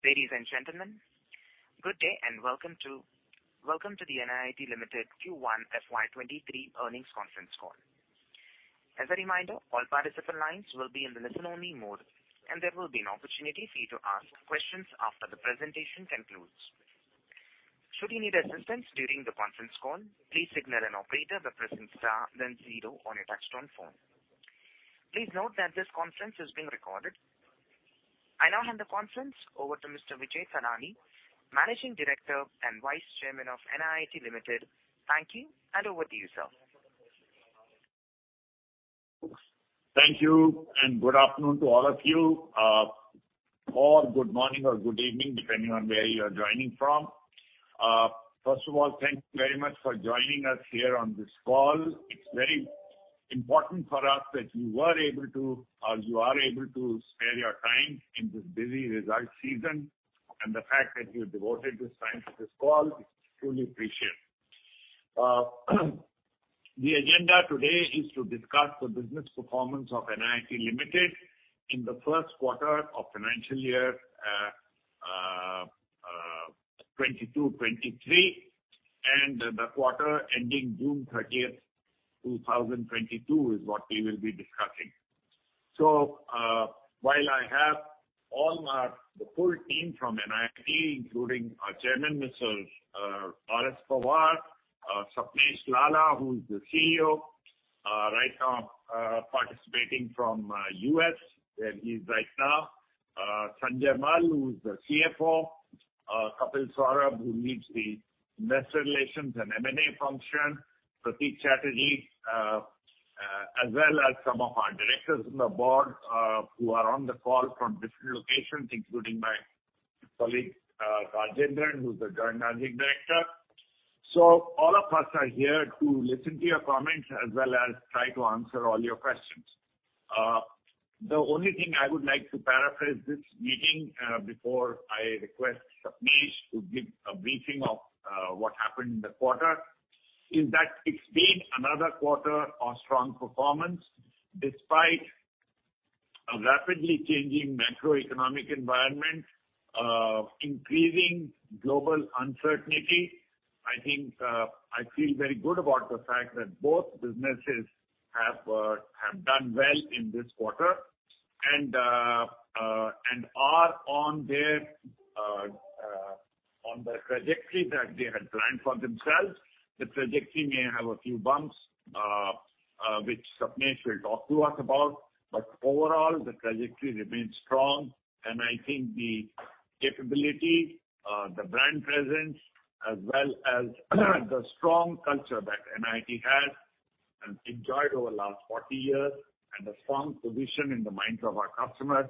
Ladies and gentlemen, good day and welcome to the NIIT Limited Q1 FY 2023 Earnings Conference Call. As a reminder, all participant lines will be in the listen-only mode, and there will be an opportunity for you to ask questions after the presentation concludes. Should you need assistance during the conference call, please signal an operator by pressing star then zero on your touch-tone phone. Please note that this conference is being recorded. I now hand the conference over to Mr. Vijay Thadani, Managing Director and Vice Chairman of NIIT Limited. Thank you, and over to you, sir. Thank you and good afternoon to all of you. Or good morning or good evening, depending on where you are joining from. First of all, thank you very much for joining us here on this call. It's very important for us that you were able to, or you are able to spare your time in this busy result season, and the fact that you devoted this time to this call is truly appreciated. The agenda today is to discuss the business performance of NIIT Limited in the first quarter of financial year 2022-2023, and the quarter ending June 30th, 2022 is what we will be discussing. While I have the full team from NIIT, including our Chairman, Mr. RS Pawar, Sapnesh Lalla, who is the CEO right now, participating from the U.S., where he is right now. Sanjay Mal, who is the CFO. Kapil Saurabh, who leads the Investor Relations and M&A function. Prateek Chatterjee, as well as some of our Directors on the Board, who are on the call from different locations, including my colleague, Rajendran, who is the Joint Managing Director. All of us are here to listen to your comments as well as try to answer all your questions. The only thing I would like to paraphrase this meeting, before I request Sapnesh to give a briefing of what happened in the quarter, is that it's been another quarter of strong performance despite a rapidly changing macroeconomic environment, increasing global uncertainty. I think, I feel very good about the fact that both businesses have done well in this quarter and are on their on the trajectory that they had planned for themselves. The trajectory may have a few bumps, which Sapnesh will talk to us about. Overall, the trajectory remains strong, and I think the capability, the brand presence as well as the strong culture that NIIT has enjoyed over the last 40 years and a strong position in the minds of our customers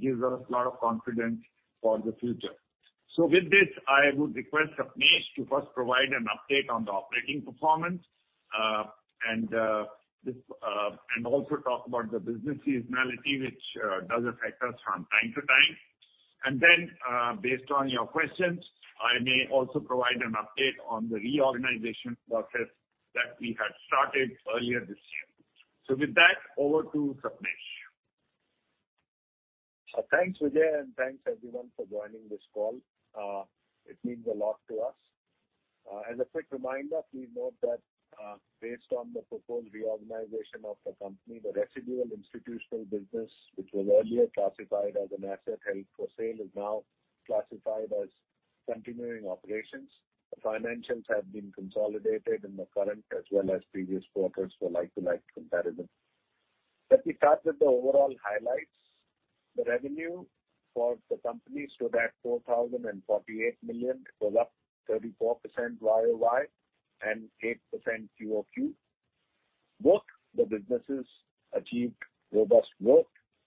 gives us a lot of confidence for the future. With this, I would request Sapnesh to first provide an update on the operating performance, and also talk about the business seasonality, which does affect us from time to time. Based on your questions, I may also provide an update on the reorganization process that we had started earlier this year. With that, over to Sapnesh. Thanks, Vijay, and thanks everyone for joining this call. It means a lot to us. As a quick reminder, please note that, based on the proposed reorganization of the company, the residual institutional business, which was earlier classified as an asset held for sale, is now classified as continuing operations. The financials have been consolidated in the current as well as previous quarters for like-for-like comparison. Let me start with the overall highlights. The revenue for the company stood at 4,048 million. It was up 34% YoY and 8% QoQ. Both the businesses achieved robust growth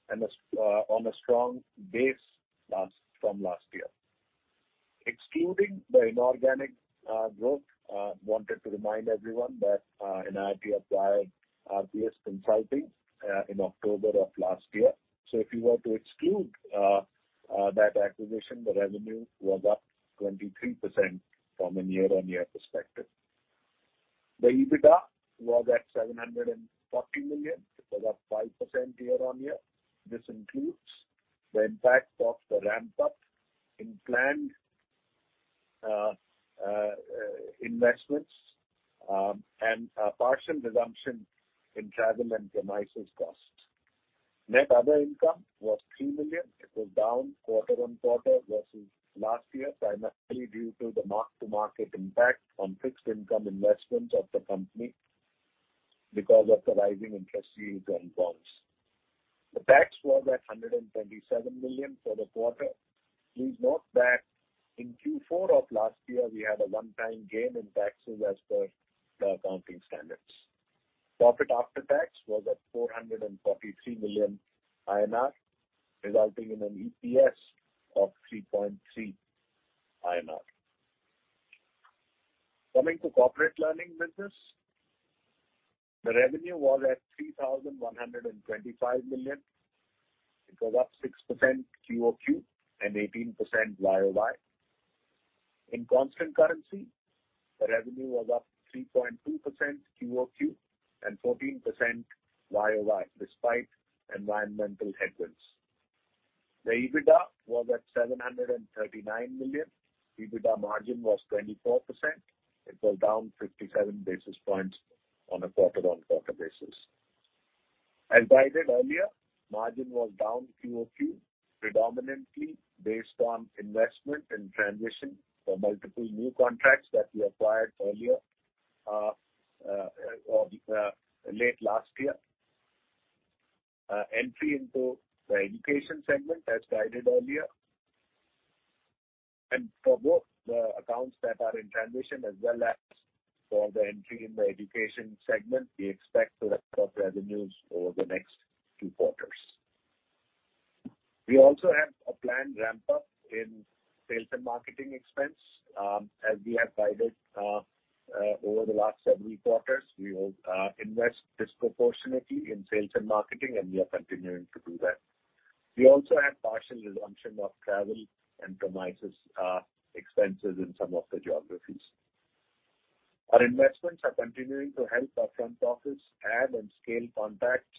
and on a strong base from last year. Excluding the inorganic growth, wanted to remind everyone that, NIIT acquired RPS Consulting, in October of last year. If you were to exclude that acquisition, the revenue was up 23% from a year-on-year perspective. The EBITDA was at 740 million. It was up 5% year-on-year. This includes the impact of the ramp-up in planned investments, and partial resumption in travel and premises costs. Net other income was 3 million. It was down quarter-on-quarter versus last year, primarily due to the mark-to-market impact on fixed income investments of the company because of the rising interest yields on bonds. The tax was at 127 million for the quarter. Please note that in Q4 of last year we had a one-time gain in taxes as per the accounting standards. Profit after tax was at 443 million INR, resulting in an EPS of 3.3 INR. Coming to corporate learning business, the revenue was at 3,125 million. It was up 6% QoQ and 18% YoY. In constant currency, the revenue was up 3.2% QoQ and 14% YoY, despite environmental headwinds. The EBITDA was at 739 million. EBITDA margin was 24%. It was down 57 basis points on a quarter-on-quarter basis. As guided earlier, margin was down QoQ predominantly based on investment in transition for multiple new contracts that we acquired earlier, late last year. Entry into the education segment as guided earlier. For both the accounts that are in transition as well as for the entry in the education segment, we expect to record revenues over the next two quarters. We also have a planned ramp-up in sales and marketing expense. As we have guided over the last several quarters, we will invest disproportionately in sales and marketing, and we are continuing to do that. We also have partial resumption of travel and premises expenses in some of the geographies. Our investments are continuing to help our front office add and scale contracts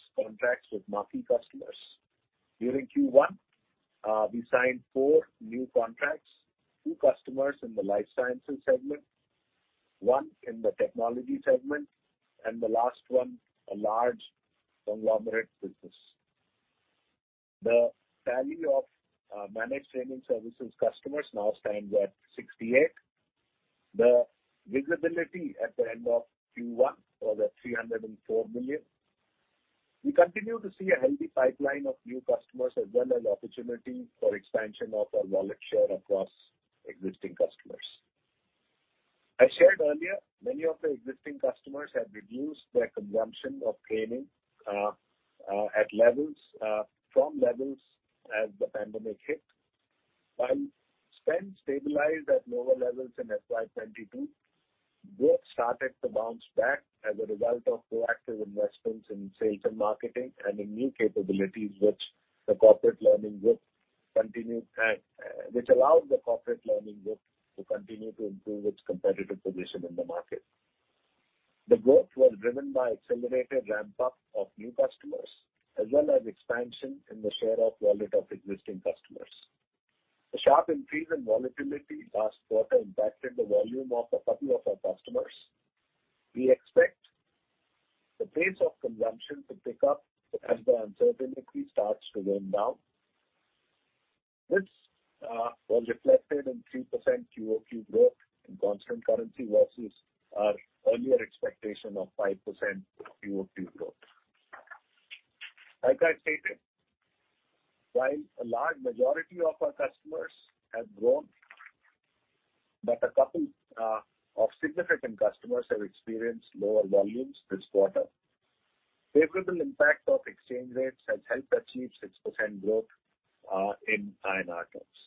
with marquee customers. During Q1, we signed four new contracts, two customers in the life sciences segment, one in the technology segment, and the last one, a large conglomerate business. The value of managed training services customers now stands at 68. The visibility at the end of Q1 was at $304 million. We continue to see a healthy pipeline of new customers as well as opportunity for expansion of our wallet share across existing customers. I shared earlier, many of the existing customers have reduced their consumption of training from levels as the pandemic hit. While spend stabilized at lower levels in FY 2022, growth started to bounce back as a result of proactive investments in sales and marketing and in new capabilities, which allowed the Corporate Learning Group to continue to improve its competitive position in the market. The growth was driven by accelerated ramp-up of new customers as well as expansion in the share of wallet of existing customers. The sharp increase in volatility last quarter impacted the volume of a couple of our customers. We expect the pace of consumption to pick up as the uncertainty starts to go down. This was reflected in 3% QoQ growth in constant currency versus our earlier expectation of 5% QoQ growth. Like I stated, while a large majority of our customers have grown, but a couple of significant customers have experienced lower volumes this quarter. Favorable impact of exchange rates has helped achieve 6% growth in INR terms.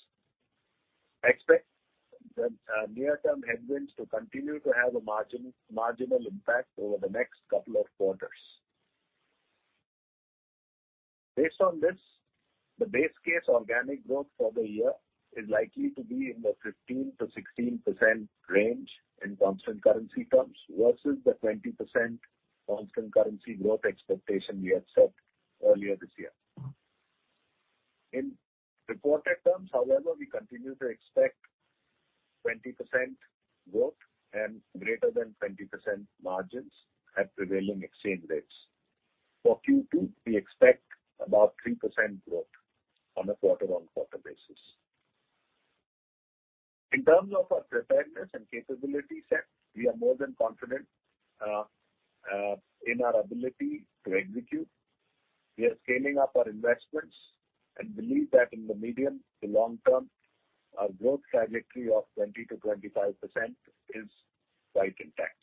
Expect the near-term headwinds to continue to have a marginal impact over the next couple of quarters. Based on this, the base case organic growth for the year is likely to be in the 15%-16% range in constant currency terms versus the 20% constant currency growth expectation we had set earlier this year. In reported terms, however, we continue to expect 20% growth and greater than 20% margins at prevailing exchange rates. For Q2, we expect about 3% growth on a quarter-on-quarter basis. In terms of our preparedness and capability set, we are more than confident in our ability to execute. We are scaling up our investments and believe that in the medium to long term, our growth trajectory of 20%-25% is right intact.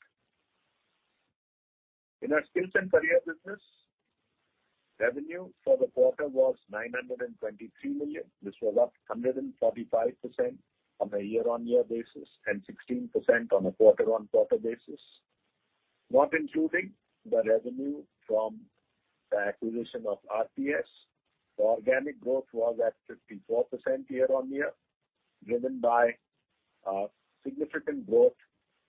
In our skills and career business, revenue for the quarter was 923 million. This was up 145% on a year-on-year basis, and 16% on a quarter-on-quarter basis. Not including the revenue from the acquisition of RPS, the organic growth was at 54% year-on-year, driven by significant growth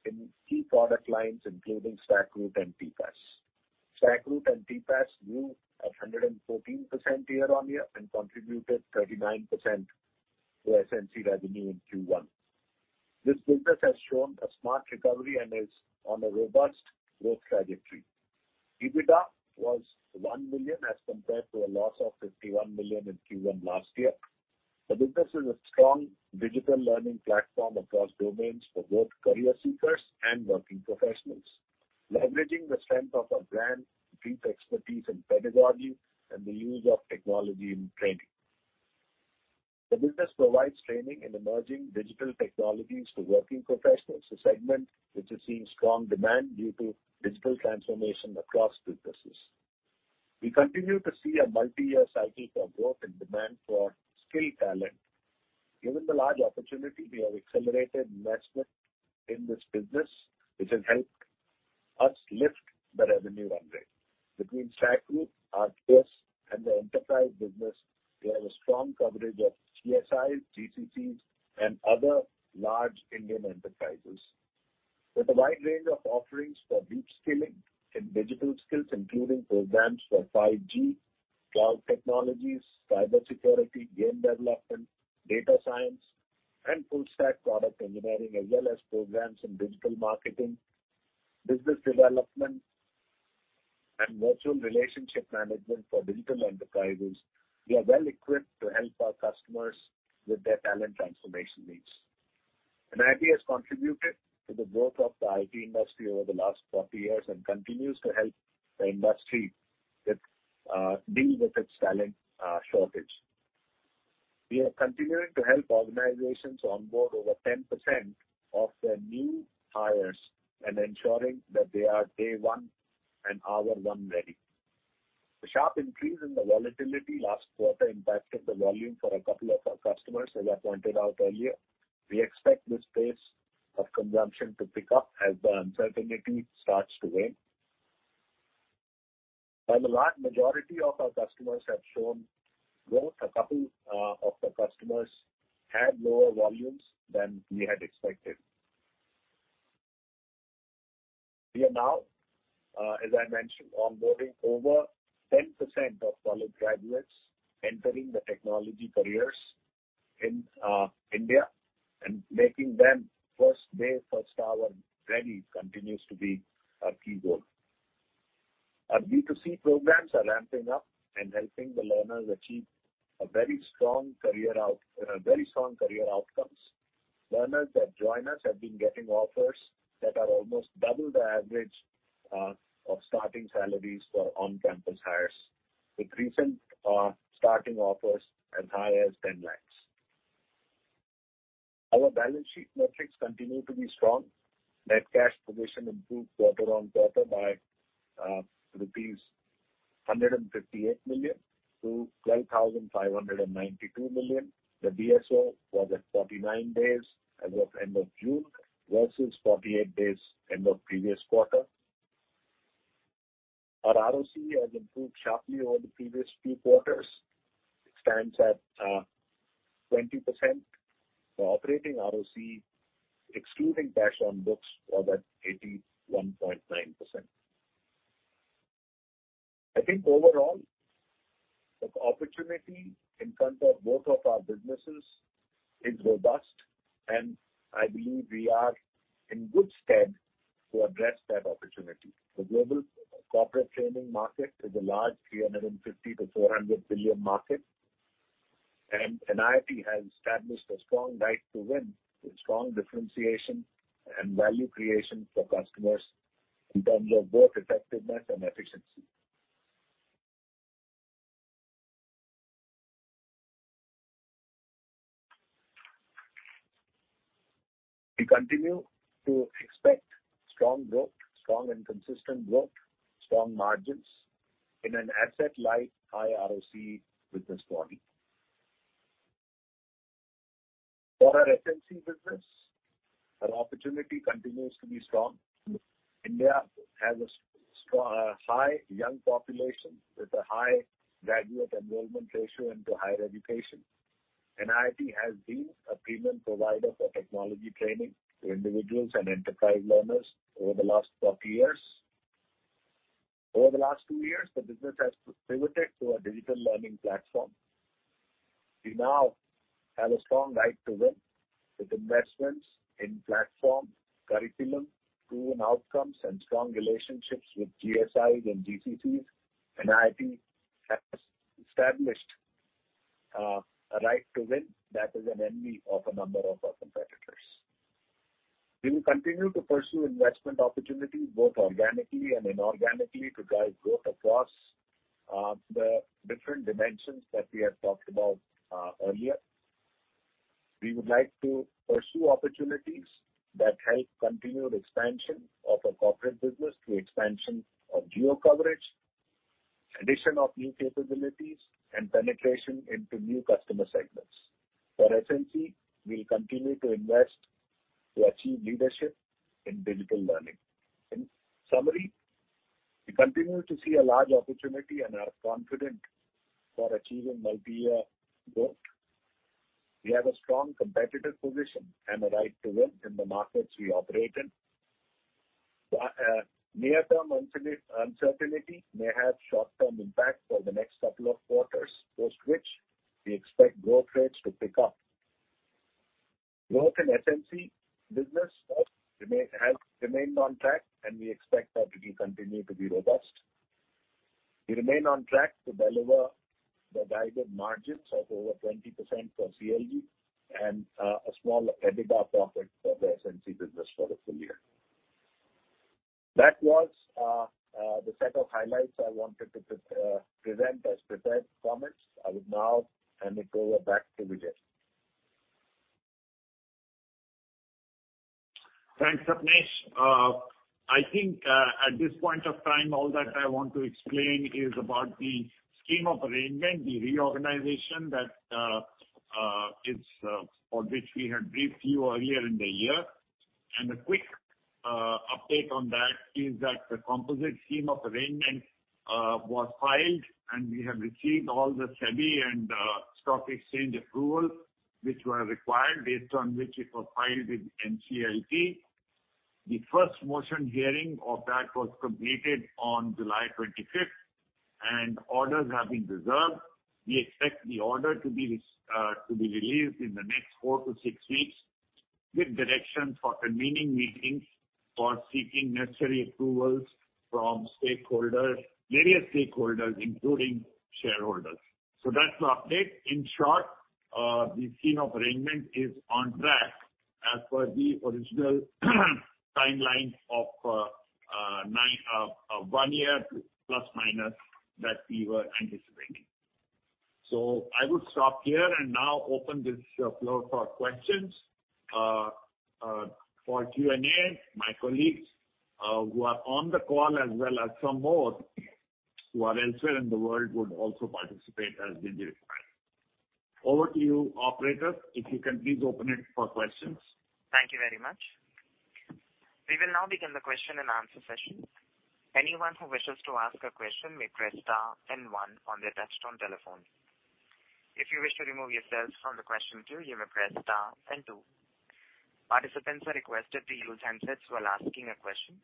in key product lines, including StackRoute and TPaaS. StackRoute and TPaaS grew at 114% year-on-year and contributed 39% to SNC revenue in Q1. This business has shown a smart recovery and is on a robust growth trajectory. EBITDA was 1 million as compared to a loss of 51 million in Q1 last year. The business is a strong digital learning platform across domains for both career seekers and working professionals, leveraging the strength of our brand, deep expertise in pedagogy, and the use of technology in training. The business provides training in emerging digital technologies to working professionals, a segment which is seeing strong demand due to digital transformation across businesses. We continue to see a multi-year cycle for growth and demand for skilled talent. Given the large opportunity, we have accelerated investment in this business, which has helped us lift the revenue run rate. Between StackRoute, RPS, and the enterprise business, we have a strong coverage of GSIs, GCCs, and other large Indian enterprises. With a wide range of offerings for upskilling in digital skills, including programs for 5G, cloud technologies, cybersecurity, game development, data science, and full stack product engineering, as well as programs in digital marketing, business development, and virtual relationship management for digital enterprises, we are well-equipped to help our customers with their talent transformation needs. NIIT has contributed to the growth of the IT industry over the last 40 years and continues to help the industry deal with its talent shortage. We are continuing to help organizations onboard over 10% of their new hires and ensuring that they are day one and hour one ready. The sharp increase in the volatility last quarter impacted the volume for a couple of our customers, as I pointed out earlier. We expect this pace of consumption to pick up as the uncertainty starts to wane. While the large majority of our customers have shown growth, a couple of the customers had lower volumes than we had expected. We are now, as I mentioned, onboarding over 10% of college graduates entering the technology careers in India, and making them first day, first hour ready continues to be our key goal. Our B2C programs are ramping up and helping the learners achieve a very strong career outcomes. Learners that join us have been getting offers that are almost double the average of starting salaries for on-campus hires, with recent starting offers as high as 10 lakh. Our balance sheet metrics continue to be strong. Net cash position improved quarter-on-quarter by rupees 158 million to 12,592 million. The DSO was at 49 days as of end of June, versus 48 days end of previous quarter. Our ROCE has improved sharply over the previous three quarters. It stands at 20%. Our operating ROCE, excluding cash on books, was at 81.9%. I think overall, the opportunity in front of both of our businesses is robust, and I believe we are in good stead to address that opportunity. The global corporate training market is a large $350 billion-$400 billion market, and NIIT has established a strong right to win with strong differentiation and value creation for customers in terms of both effectiveness and efficiency. We continue to expect strong growth, strong and consistent growth, strong margins in an asset-light, high ROCE business model. For our SNC business, our opportunity continues to be strong. India has a high young population with a high graduate enrollment ratio into higher education. NIIT has been a premium provider for technology training to individuals and enterprise learners over the last 40 years. Over the last two years, the business has pivoted to a digital learning platform. We now have a strong right to win with investments in platform, curriculum, proven outcomes, and strong relationships with GSIs and GCCs. NIIT has established a right to win that is an envy of a number of our competitors. We will continue to pursue investment opportunities both organically and inorganically to drive growth across the different dimensions that we have talked about earlier. We would like to pursue opportunities that help continued expansion of our corporate business through expansion of geo coverage, addition of new capabilities, and penetration into new customer segments. For SNC, we'll continue to invest to achieve leadership in digital learning. In summary, we continue to see a large opportunity and are confident for achieving multi-year growth. We have a strong competitive position and a right to win in the markets we operate in. Near-term uncertainty may have short-term impact for the next couple of quarters, post which we expect growth rates to pick up. Growth in SNC business has remained on track, and we expect that to continue to be robust. We remain on track to deliver the guided margins of over 20% for CLG and a small EBITDA profit for the SNC business for the full year. That was the set of highlights I wanted to present as prepared comments. I would now hand it over back to Vijay. Thanks, Sapnesh. I think, at this point of time, all that I want to explain is about the scheme of arrangement, the reorganization that is for which we had briefed you earlier in the year. A quic update on that is that the composite scheme of arrangement was filed, and we have received all the SEBI and Stock Exchange approval which were required based on which it was filed with NCLT. The first motion hearing of that was completed on July 25th, and orders have been reserved. We expect the order to be released in the next four to six weeks with direction for convening meetings for seeking necessary approvals from stakeholders, various stakeholders, including shareholders. That's the update. In short, the scheme of arrangement is on track as per the original timeline of ±1 year that we were anticipating. I would stop here and now open this floor for questions. For Q&A, my colleagues who are on the call as well as some more who are elsewhere in the world would also participate as they require. Over to you, operator, if you can please open it for questions. Thank you very much. We will now begin the question and answer session. Anyone who wishes to ask a question may press star then one on their touch-tone telephone. If you wish to remove yourself from the question queue, you may press star then two. Participants are requested to use handsets while asking a question.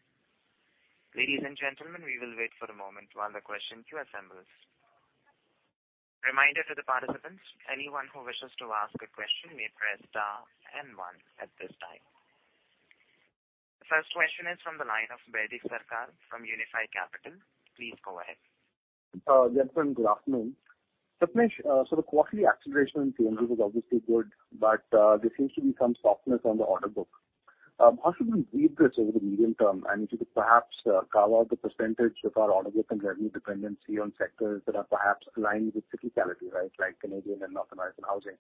Ladies and gentlemen, we will wait for a moment while the question queue assembles. Reminder to the participants, anyone who wishes to ask a question may press star then one at this time. First question is from the line of Baidik Sarkar from Unifi Capital. Please go ahead. Gentlemen, good afternoon. Sapnesh, the quarterly acceleration in CLG was obviously good, but there seems to be some softness on the order book. How should we read this over the medium term? If you could perhaps carve out the percentage of our order book and revenue dependency on sectors that are perhaps aligned with cyclicality, right? Like Canadian and North American housing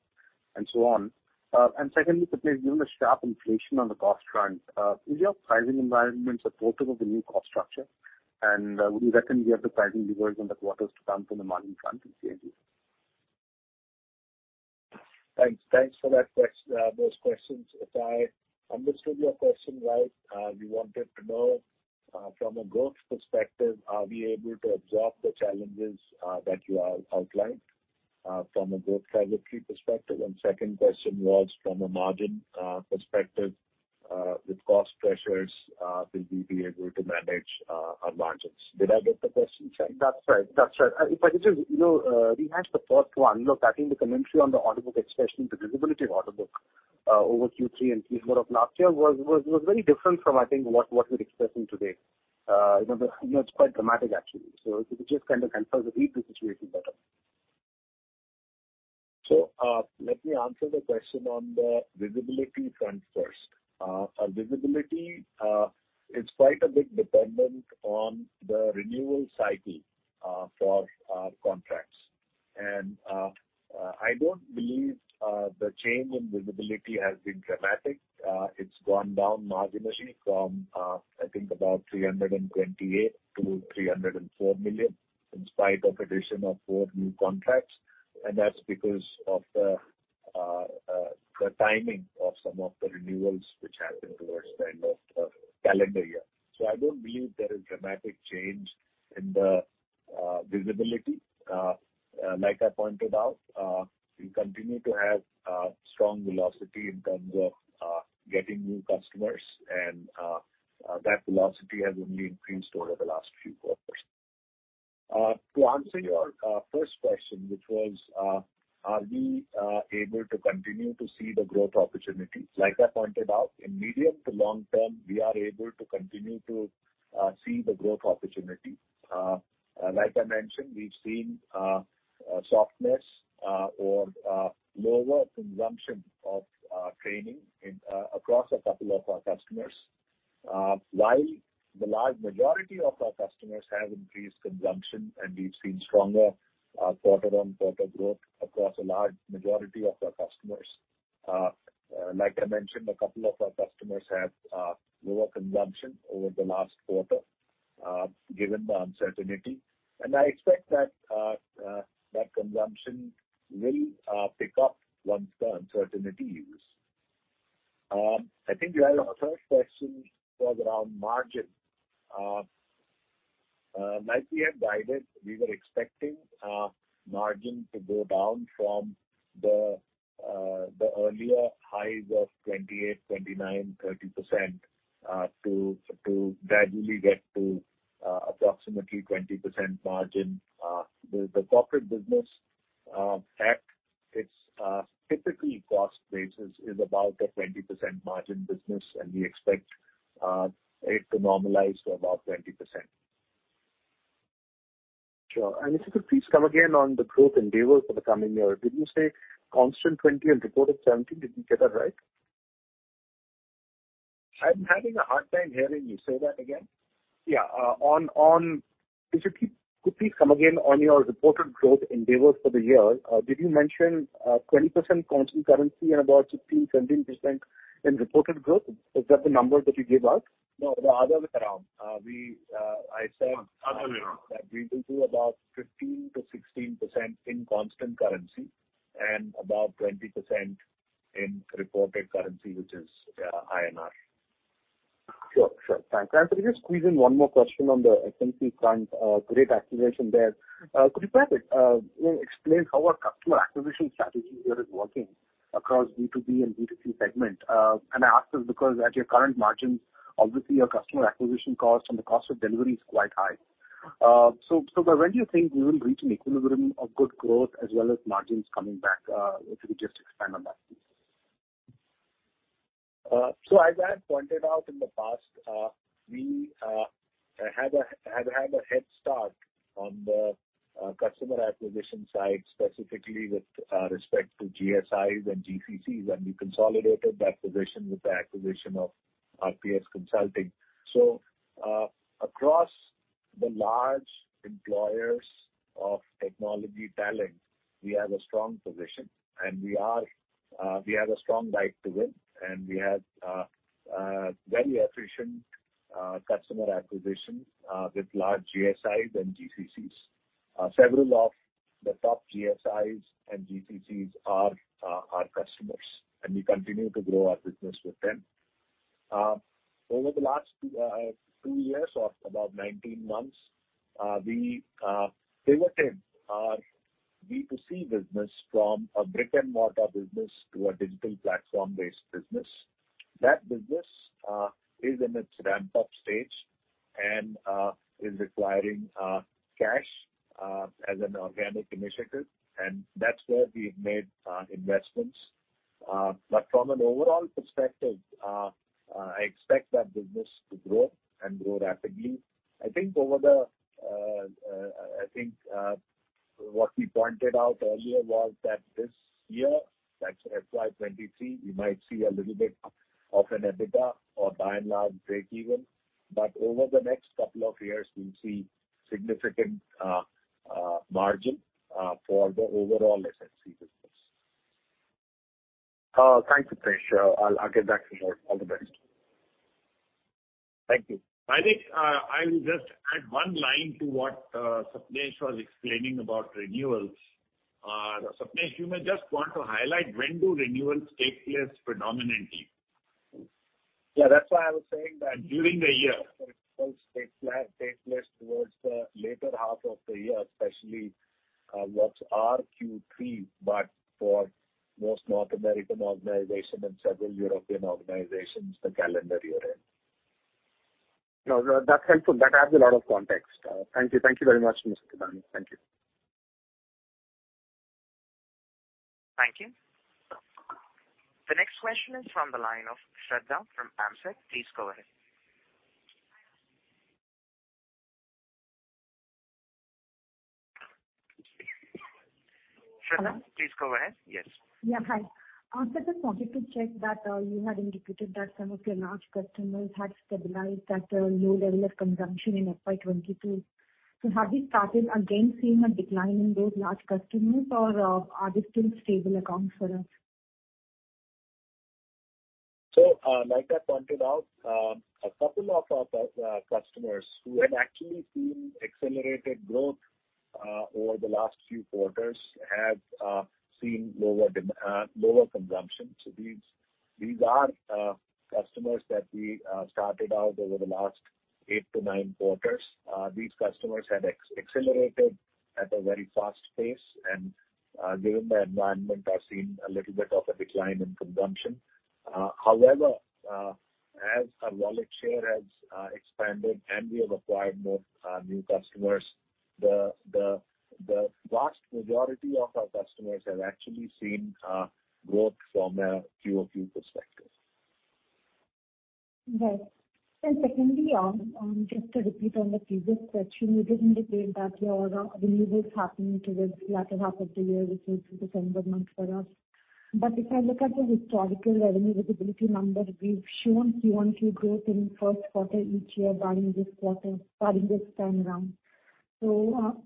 and so on. Secondly, Sapnesh, given the sharp inflation on the cost front, is your pricing environment supportive of the new cost structure? Would you reckon we have the pricing levers in the quarters to come from the margin front in CLG? Thanks. Thanks for those questions. If I understood your question right, you wanted to know, from a growth perspective, are we able to absorb the challenges that you have outlined, from a growth trajectory perspective? Second question was from a margin perspective, with cost pressures, will we be able to manage our margins? Did I get the question right? That's right. If I could just, you know, rehash the first one. Look, I think the commentary on the order book expression, the visibility of order book, over Q3 and Q4 of last year was very different from, I think, what you're expressing today. You know, it's quite dramatic, actually. If you could just kind of help us read the situation better. Let me answer the question on the visibility front first. Our visibility is quite a bit dependent on the renewal cycle for our contracts. I don't believe the change in visibility has been dramatic. It's gone down marginally from, I think, about 328 million to 304 million in spite of addition of four new contracts. That's because of the timing of some of the renewals which happened towards the end of calendar year. I don't believe there is dramatic change in the visibility. Like I pointed out, we continue to have strong velocity in terms of getting new customers. That velocity has only increased over the last few quarters. To answer your first question, which was, are we able to continue to see the growth opportunity? Like I pointed out, in medium to long term, we are able to continue to see the growth opportunity. Like I mentioned, we've seen softness or lower consumption of training across a couple of our customers. While the large majority of our customers have increased consumption and we've seen stronger quarter-on-quarter growth across a large majority of our customers, like I mentioned, a couple of our customers have lower consumption over the last quarter given the uncertainty. I expect that that consumption will pick up once the uncertainty leaves. I think your other first question was around margin. Like we had guided, we were expecting margin to go down from the earlier highs of 28%, 29%, 30%, to gradually get to approximately 20% margin. The corporate business at its typically cost basis is about a 20% margin business, and we expect it to normalize to about 20%. Sure. If you could please come again on the growth endeavors for the coming year. Did you say constant 20% and reported 17%? Did we get that right? I'm having a hard time hearing you. Say that again. Yeah, on. If you could please come again on your reported growth endeavors for the year. Did you mention 20% constant currency and about 16%-17% in reported growth? Is that the number that you gave out? No, the other way around. That we will do about 15%-16% in constant currency and about 20% in reported currency, which is INR. Sure, sure. Thanks. Could we just squeeze in one more question on the SNC front? Great acceleration there. Could you perhaps explain how our customer acquisition strategy here is working across B2B and B2C segment? And I ask this because at your current margins, obviously, your customer acquisition cost and the cost of delivery is quite high. So by when do you think we will reach an equilibrium of good growth as well as margins coming back? If you could just expand on that, please. So as I have pointed out in the past, we have had a head start on the customer acquisition side, specifically with respect to GSIs and GCCs, and we consolidated that position with the acquisition of RPS Consulting. Across the large employers of technology talent, we have a strong position, and we have a strong right to win. We have a very efficient customer acquisition with large GSIs and GCCs. Several of the top GSIs and GCCs are our customers, and we continue to grow our business with them. Over the last two years or about 19 months, we pivoted our B2C business from a brick-and-mortar business to a digital platform-based business. That business is in its ramp-up stage and is requiring cash as an organic initiative, and that's where we've made investments. From an overall perspective, I expect that business to grow rapidly. I think what we pointed out earlier was that this year, that's FY 2023, we might see a little bit of an EBITDA or by and large, breakeven. Over the next couple of years we'll see significant margin for the overall SNC business. Thank you, Sapnesh. I'll get back for more. All the best. Thank you. Baidik, I will just add one line to what Sapnesh was explaining about renewals. Sapnesh, you may just want to highlight when do renewals take place predominantly? Yeah, that's why I was saying that- During the year. Renewals take place towards the later half of the year, especially, what's our Q3, but for most North American organizations and several European organizations, the calendar year-end. No, no, that's helpful. That adds a lot of context. Thank you. Thank you very much, Mr. Thadani. Thank you. Thank you. The next question is from the line of Shradha from AMSEC. Please go ahead. Shradha, please go ahead. Yes. Yeah, hi. I just wanted to check that you had indicated that some of your large customers had stabilized at a low level of consumption in FY 2022. Have you started again seeing a decline in those large customers or are they still stable accounts for us? Like I pointed out, a couple of our customers who had actually seen accelerated growth over the last few quarters have seen lower consumption. These are customers that we started out over the last eight to nine quarters. These customers had accelerated at a very fast pace, and given the environment, are seeing a little bit of a decline in consumption. However, as our wallet share has expanded and we have acquired more new customers, the vast majority of our customers have actually seen growth from a QoQ perspective. Right. Secondly, just to repeat on the previous question, you did indicate that your renewals happening towards the latter half of the year, which is December month for us. If I look at the historical revenue visibility numbers, we've shown QoQ growth in first quarter each year barring this quarter, barring this time around.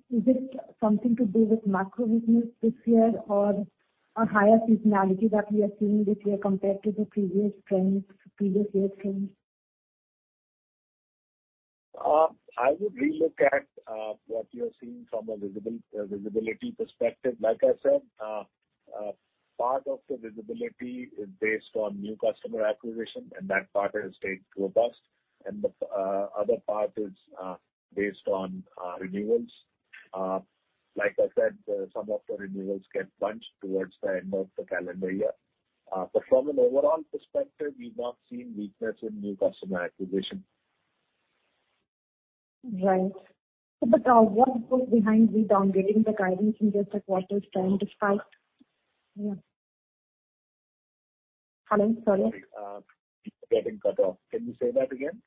Is it something to do with macro business this year or a higher seasonality that we are seeing this year compared to the previous year trends? I would relook at what you're seeing from a visibility perspective. Like I said, part of the visibility is based on new customer acquisition, and that part has stayed robust. The other part is based on renewals. Like I said, some of the renewals get bunched towards the end of the calendar year. From an overall perspective, we've not seen weakness in new customer acquisition. Right. What was behind the downgrading the guidance in just a quarter's time despite? Yeah. Hello? Sorry. You're getting cut off. Can you say that again?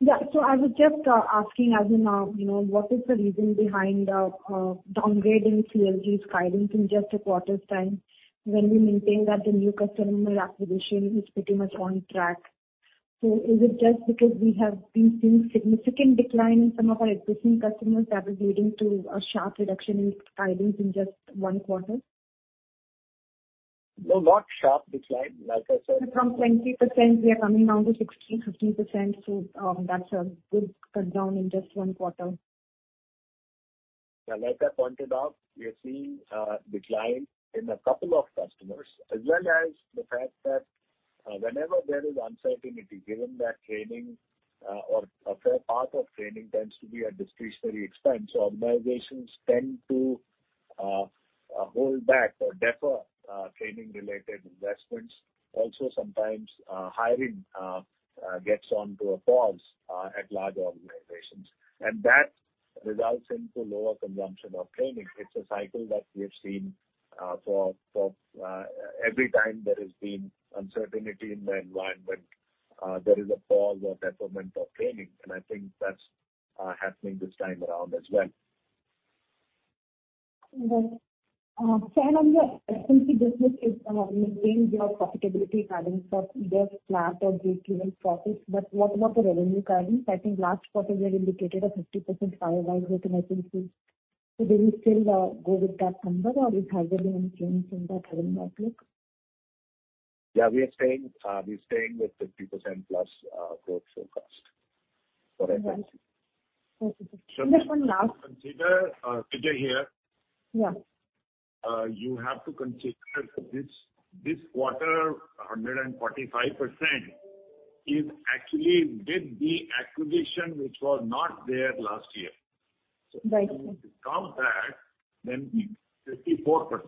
Yeah. I was just asking as in, you know, what is the reason behind downgrading CLG's guidance in just a quarter's time when we maintain that the new customer acquisition is pretty much on track. Is it just because we have been seeing significant decline in some of our existing customers that is leading to a sharp reduction in guidance in just one quarter? No, not sharp decline. Like I said. From 20%, we are coming down to 16%, 15%, so that's a good cut down in just one quarter. Like I pointed out, we are seeing decline in a couple of customers, as well as the fact that whenever there is uncertainty, given that training or a fair part of training tends to be a discretionary expense. Organizations tend to hold back or defer training related investments. Also, sometimes hiring gets onto a pause at large organizations. That results into lower consumption of training. It's a cycle that we have seen for every time there has been uncertainty in the environment, there is a pause or deferment of training, and I think that's happening this time around as well. Right. Sir, on the SNC business is maintaining their profitability guidance of either flat or breakeven profits. What about the revenue guidance? I think last quarter you had indicated a 50% YoY growth in SNC. Will you still go with that number or is there any change in that revenue outlook? Yeah. We are staying with 50%+ growth forecast for SNC. Okay. Just one last- Consider, Vijay here. Yeah. You have to consider this quarter 145% is actually with the acquisition which was not there last year. Right. If you count that, then it's 54%.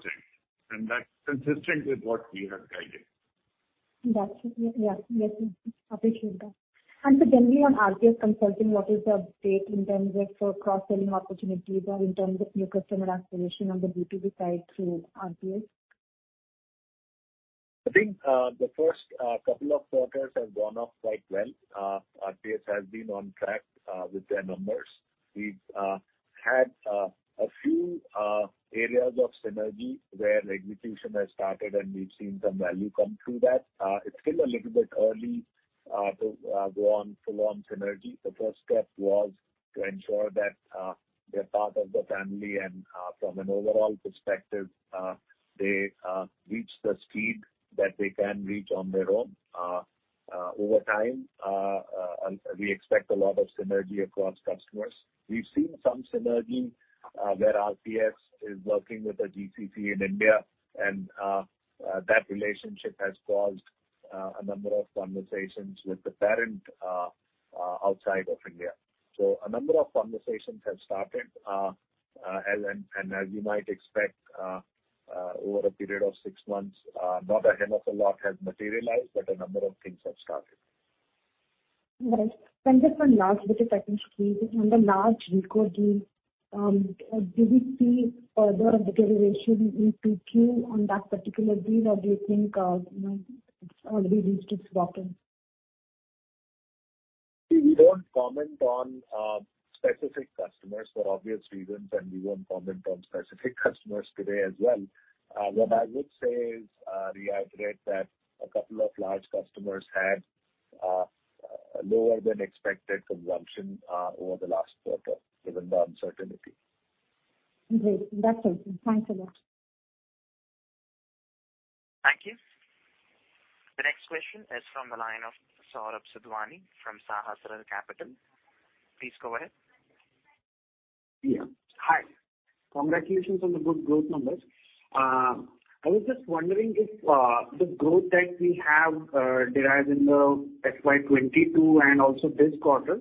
That's consistent with what we have guided. Got you. Yeah. Yes. Appreciate that. Again, we have RPS Consulting. What is the update in terms of sort of cross-selling opportunities or in terms of new customer acquisition on the B2B side through RPS? I think the first couple of quarters have gone off quite well. RPS has been on track with their numbers. We've had a few areas of synergy where execution has started and we've seen some value come through that. It's still a little bit early to go on full-on synergy. The first step was to ensure that they're part of the family and from an overall perspective they reach the speed that they can reach on their own. Over time we expect a lot of synergy across customers. We've seen some synergy where RPS is working with the GCC in India and that relationship has caused a number of conversations with the parent outside of India. A number of conversations have started, and as you might expect, over a period of six months. Not a hell of a lot has materialized, but a number of things have started. Right. Just one last bit of technical screen. On the large RECO deal, do we see further deterioration in 2Q on that particular deal or do you think, you know, it's already reached its bottom? We don't comment on specific customers for obvious reasons, and we won't comment on specific customers today as well. What I would say is, reiterate that a couple of large customers had lower than expected consumption over the last quarter given the uncertainty. Great. That's it. Thanks a lot. Thank you. The next question is from the line of Saurabh Sadhwani from Sahasrar Capital. Please go ahead. Yeah. Hi. Congratulations on the good growth numbers. I was just wondering if the growth that we have derived in the FY 2022 and also this quarter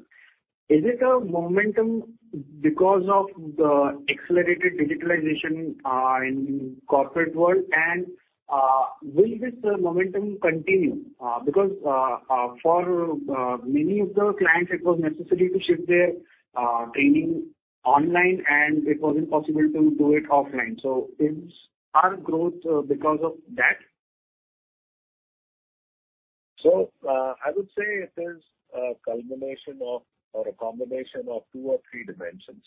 is a momentum because of the accelerated digitalization in corporate world? Will this momentum continue? Because for many of the clients, it was necessary to shift their training online, and it wasn't possible to do it offline. Is our growth because of that? I would say it is a culmination of or a combination of two or three dimensions.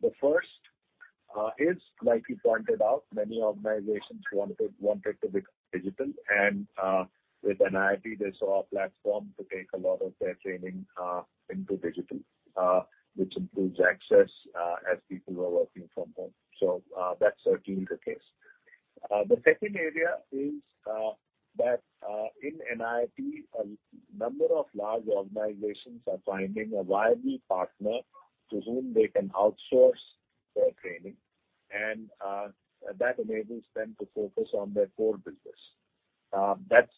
The first is, like you pointed out, many organizations wanted to become digital. With NIIT, they saw a platform to take a lot of their training into digital, which improves access as people were working from home. That's certainly the case. The second area is that in NIIT a number of large organizations are finding a viable partner to whom they can outsource their training, and that enables them to focus on their core business. That's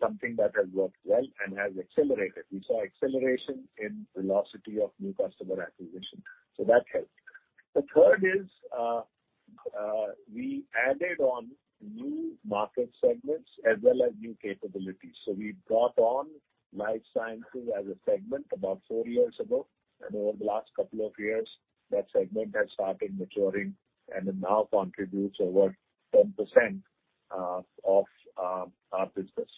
something that has worked well and has accelerated. We saw acceleration in velocity of new customer acquisition, so that helped. The third is we added on new market segments as well as new capabilities. We brought on life sciences as a segment about four years ago, and over the last couple of years, that segment has started maturing and it now contributes over 10% of our business.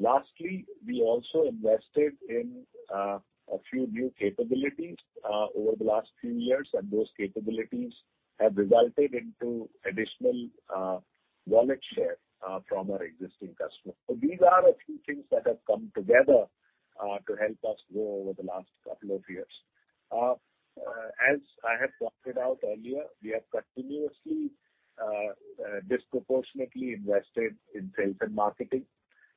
Lastly, we also invested in a few new capabilities over the last few years, and those capabilities have resulted into additional wallet share from our existing customers. These are a few things that have come together to help us grow over the last couple of years. As I have pointed out earlier, we have continuously disproportionately invested in sales and marketing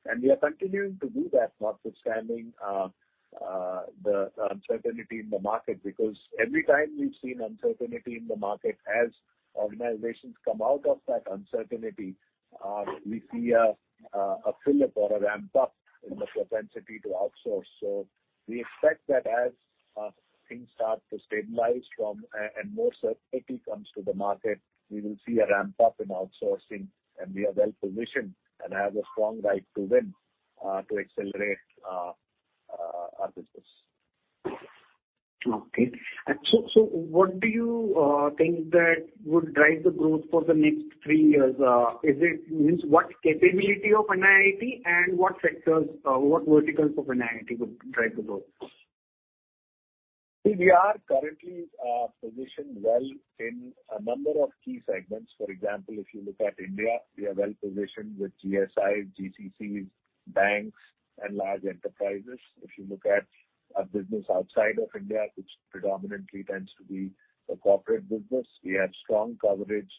and we are continuing to do that notwithstanding the uncertainty in the market. Because every time we've seen uncertainty in the market, as organizations come out of that uncertainty, we see a fill-up or a ramp-up in the propensity to outsource. We expect that as things start to stabilize, and more certainty comes to the market, we will see a ramp-up in outsourcing, and we are well-positioned and have a strong right to win to accelerate our business. What do you think that would drive the growth for the next three years? I mean, what capability of NIIT and what sectors or what verticals of NIIT would drive the growth? See, we are currently positioned well in a number of key segments. For example, if you look at India, we are well-positioned with GSIs, GCCs, banks, and large enterprises. If you look at our business outside of India, which predominantly tends to be a corporate business, we have strong coverage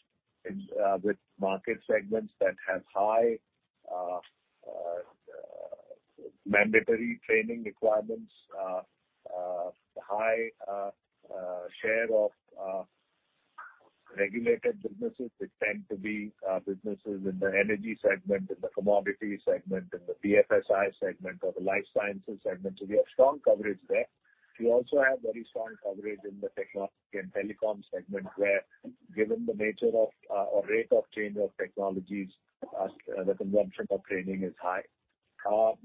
in with market segments that have high mandatory training requirements, high share of regulated businesses, which tend to be businesses in the energy segment, in the commodity segment, in the BFSI segment, or the life sciences segment. So we have strong coverage there. We also have very strong coverage in the technology and telecom segment, where given the nature of or rate of change of technologies, the consumption of training is high.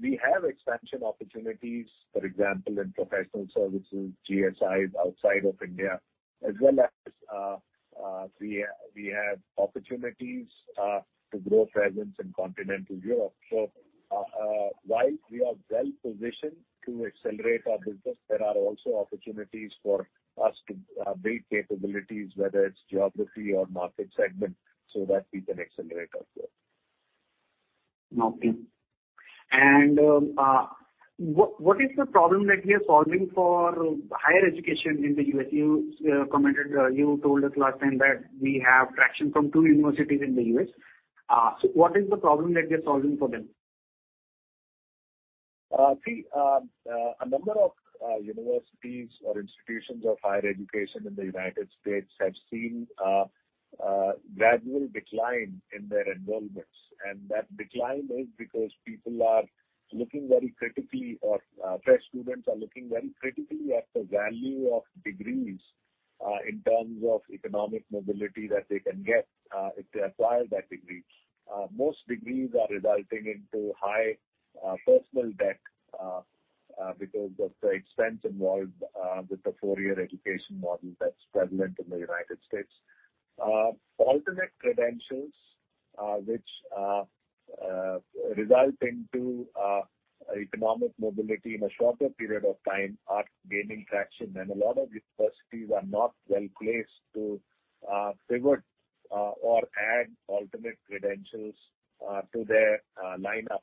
We have expansion opportunities, for example, in professional services, GSIs outside of India, as well as we have opportunities to grow presence in continental Europe. While we are well-positioned to accelerate our business, there are also opportunities for us to build capabilities, whether it's geography or market segment, so that we can accelerate our growth. Okay. What is the problem that we are solving for higher education in the U.S.? You commented, you told us last time that we have traction from two universities in the U.S. What is the problem that we are solving for them? See, a number of universities or institutions of higher education in the United States have seen a gradual decline in their enrollments. That decline is because people are looking very critically, or fresh students are looking very critically at the value of degrees in terms of economic mobility that they can get if they acquire that degree. Most degrees are resulting into high personal debt because of the expense involved with the four-year education model that's prevalent in the United States. Alternate credentials which result into economic mobility in a shorter period of time are gaining traction, and a lot of universities are not well-placed to pivot or add alternate credentials to their lineup.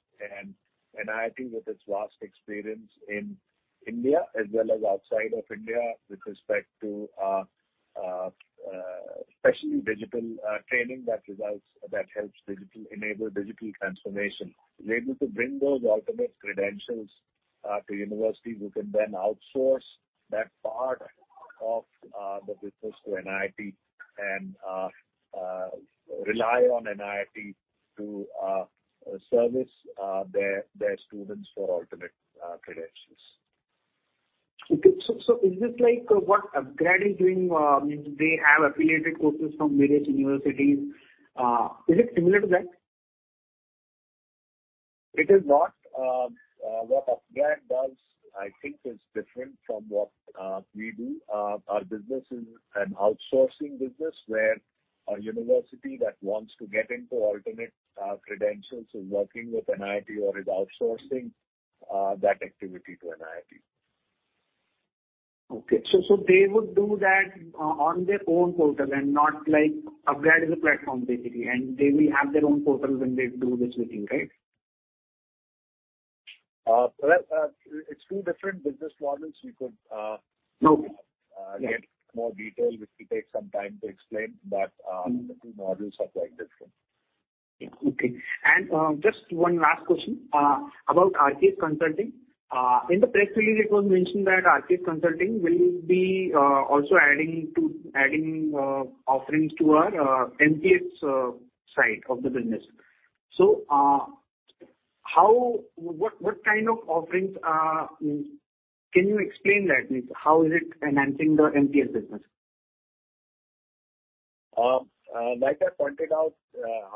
NIIT, with its vast experience in India as well as outside of India with respect to especially digital training that helps enable digital transformation. We're able to bring those alternate credentials to universities who can then outsource that part of the business to NIIT and rely on NIIT to service their students for alternate credentials. Is this like what upGrad is doing where I mean they have affiliated courses from various universities? Is it similar to that? It is not. What upGrad does, I think is different from what we do. Our business is an outsourcing business where a university that wants to get into alternate credentials is working with NIIT or is outsourcing that activity to NIIT. Okay. They would do that on their own portal and not like upGrad is a platform basically, and they will have their own portal when they do this with you, right? Well, it's two different business models. We could- Okay. Yeah.... get more detail, which will take some time to explain. Mm-hmm. But the two models are quite different. Okay. Just one last question about RPS Consulting. In the press release it was mentioned that RPS Consulting will be also adding offerings to our MTS side of the business. What kind of offerings? Can you explain that? I mean, how is it enhancing the MTS business? Like I pointed out,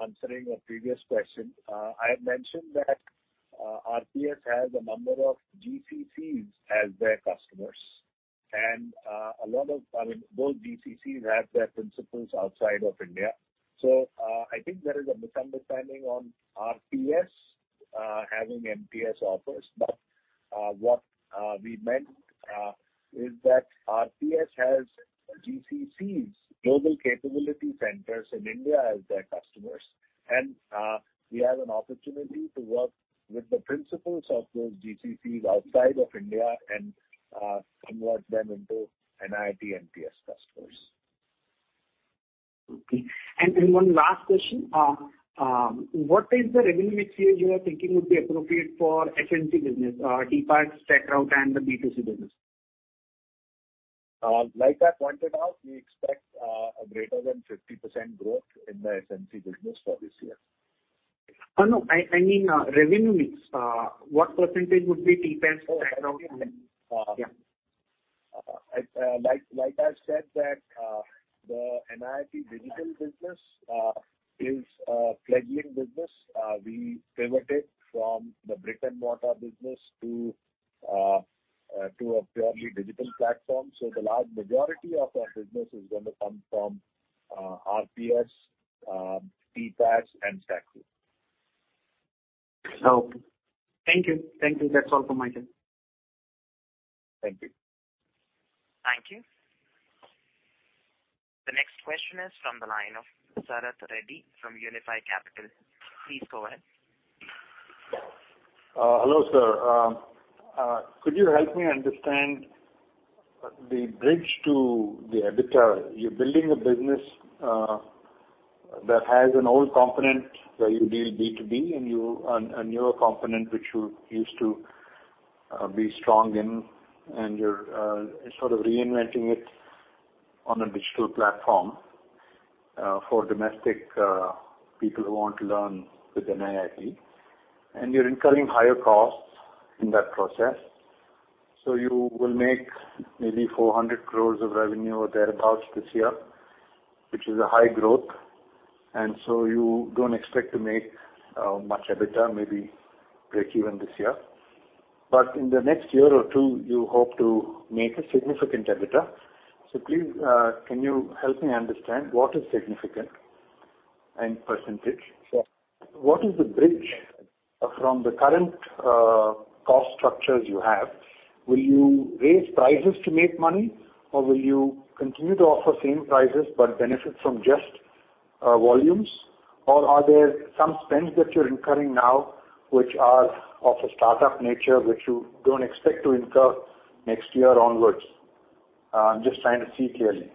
answering a previous question, I had mentioned that RPS has a number of GCCs as their customers. A lot of, I mean, those GCCs have their principals outside of India. I think there is a misunderstanding on RPS having MTS offerings. What we meant is that RPS has GCCs, Global Capability Centers in India, as their customers. We have an opportunity to work with the principals of those GCCs outside of India and convert them into NIIT MTS customers. Okay. One last question. What is the revenue mixture you are thinking would be appropriate for SNC business, TPaaS, StackRoute, and the B2C business? Like I pointed out, we expect greater than 50% growth in the SNC business for this year. I mean, revenue mix. What percentage would be TPaaS, StackRoute and yeah. Like I said, the NIIT Digital business is a fledgling business. We pivoted from the brick-and-mortar business to a purely digital platform. The large majority of our business is gonna come from RPS, TPaaS and StackRoute. Okay. Thank you. Thank you. That's all from my end. Thank you. Thank you. The next question is from the line of Sarath Reddy from Unifi Capital. Please go ahead. Hello, sir. Could you help me understand the bridge to the EBITDA? You're building a business that has an old component where you deal B2B and a newer component which you used to be strong in, and you're sort of reinventing it on a digital platform for domestic people who want to learn with NIIT. You're incurring higher costs in that process. You will make maybe 400 crore of revenue or thereabout this year, which is a high growth. You don't expect to make much EBITDA, maybe breakeven this year. In the next year or two, you hope to make a significant EBITDA. Please, can you help me understand what is significant and percentage? Sure. What is the bridge from the current cost structures you have? Will you raise prices to make money, or will you continue to offer same prices but benefit from just volumes? Are there some spends that you're incurring now which are of a start-up nature, which you don't expect to incur next year onwards? I'm just trying to see clearly.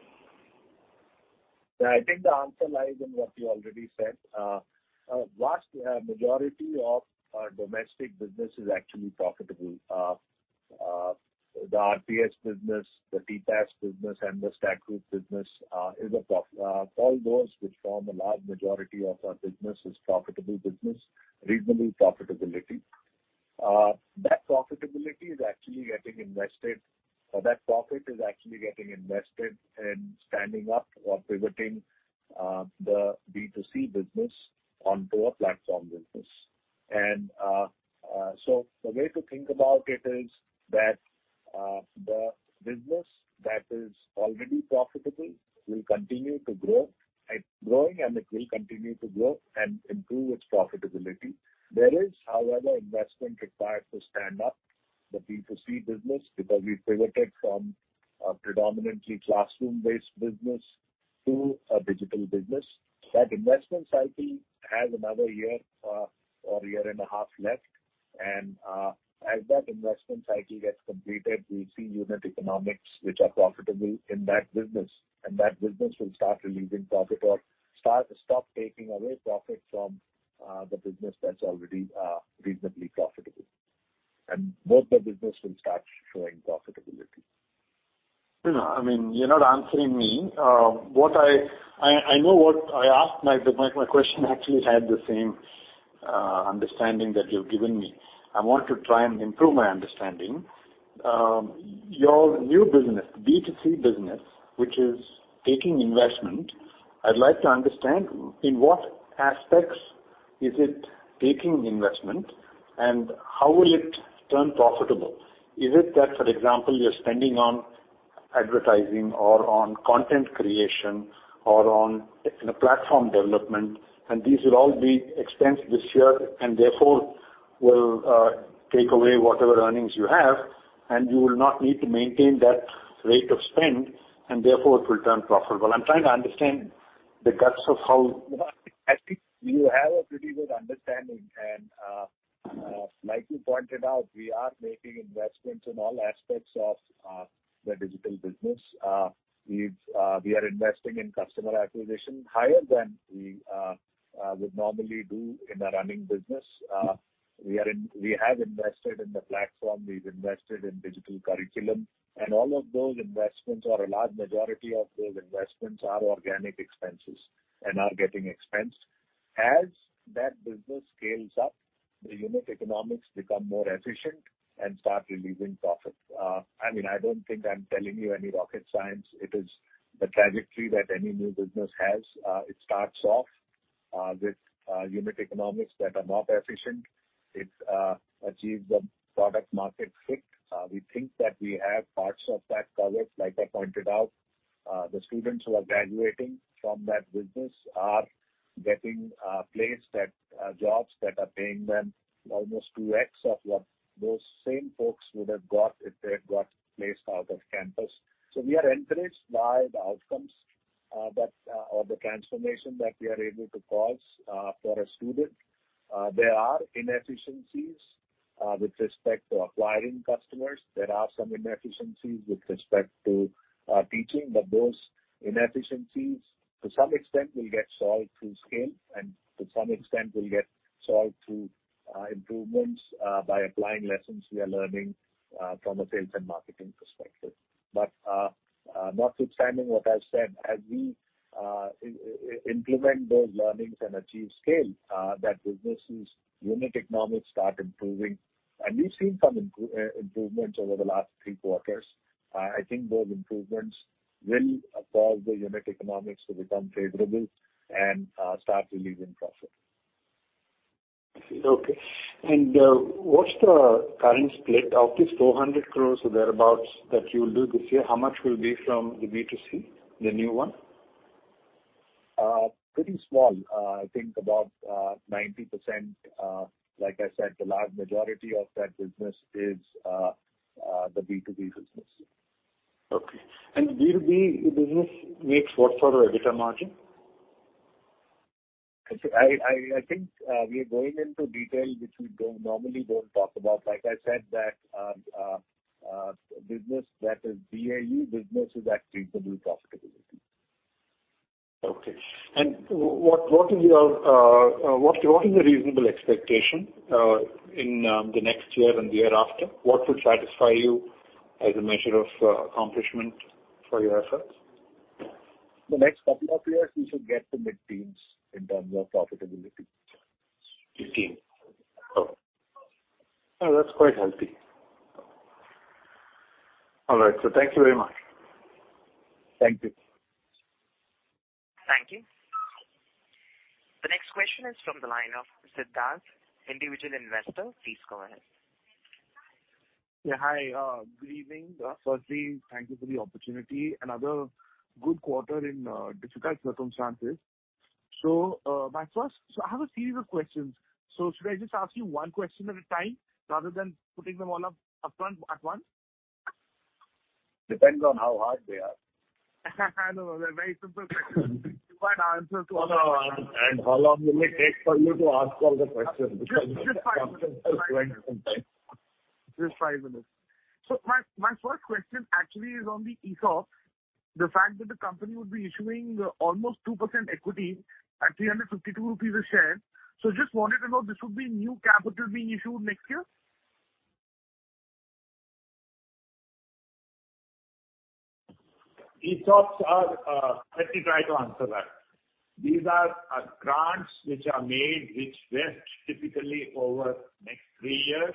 Yeah. I think the answer lies in what you already said. A vast majority of our domestic business is actually profitable. The RPS business, the TPaaS business, and the StackRoute business, all those which form a large majority of our business is profitable business, reasonable profitability. That profitability is actually getting invested, or that profit is actually getting invested in standing up or pivoting the B2C business onto a platform business. The way to think about it is that the business that is already profitable will continue to grow. It's growing, and it will continue to grow and improve its profitability. There is, however, investment required to stand up the B2C business because we pivoted from a predominantly classroom-based business to a digital business. That investment cycle has another year, or a 1.5 years left. As that investment cycle gets completed, we'll see unit economics which are profitable in that business. That business will stop taking away profit from the business that's already reasonably profitable. Both the business will start showing profitability. No, no. I mean, you're not answering me. I know what I asked. My question actually had the same understanding that you've given me. I want to try and improve my understanding. Your new business, B2C business, which is taking investment, I'd like to understand in what aspects is it taking investment and how will it turn profitable? Is it that, for example, you're spending on advertising or on content creation or on platform development, and these will all be expensed this year and therefore will take away whatever earnings you have, and you will not need to maintain that rate of spend and therefore it will turn profitable? I'm trying to understand the guts of how... I think you have a pretty good understanding. Like you pointed out, we are making investments in all aspects of the digital business. We are investing in customer acquisition higher than we would normally do in a running business. We have invested in the platform. We've invested in digital curriculum. All of those investments or a large majority of those investments are organic expenses and are getting expensed. As that business scales up, the unit economics become more efficient and start releasing profit. I mean, I don't think I'm telling you any rocket science. It is the trajectory that any new business has. It starts off with unit economics that are not efficient. It achieves the product market fit. We think that we have parts of that covered like I pointed out. The students who are graduating from that business are getting placed at jobs that are paying them almost 2x of what those same folks would have got if they had got placed out of campus. We are encouraged by the outcomes, or the transformation that we are able to cause for a student. There are inefficiencies with respect to acquiring customers. There are some inefficiencies with respect to teaching, but those inefficiencies to some extent will get solved through scale and to some extent will get solved through improvements by applying lessons we are learning from a sales and marketing perspective. Notwithstanding what I've said, as we implement those learnings and achieve scale, that business' unit economics start improving. We've seen some improvements over the last three quarters. I think those improvements will cause the unit economics to become favorable and start delivering profit. I see. Okay. What's the current split of this 400 crore or thereabouts that you'll do this year? How much will be from the B2C, the new one? Pretty small. I think about 90%. Like I said, the large majority of that business is the B2B business. Okay. B2B business makes what sort of EBITDA margin? I think we are going into detail which we don't normally talk about. Like I said, that business that is BAU business is at reasonable profitability. Okay. What is your what is the reasonable expectation in the next year and the year after? What will satisfy you as a measure of accomplishment for your efforts? The next couple of years we should get to mid-teens in terms of profitability. 15%. Okay. That's quite healthy. All right. Thank you very much. Thank you. Thank you. The next question is from the line of Siddharth, Individual Investor. Please go ahead. Yeah. Hi. Good evening. Firstly, thank you for the opportunity. Another good quarter in difficult circumstances. I have a series of questions. Should I just ask you one question at a time rather than putting them all upfront at once? Depends on how hard they are. No, no, they're very simple questions. Short answers also. How long will it take for you to ask all the questions? Just five minutes. My first question actually is on the ESOP. The fact that the company would be issuing almost 2% equity at 352 rupees a share. Just wanted to know, this would be new capital being issued next year? ESOPs are... Let me try to answer that. These are grants which are made which vest typically over next three years,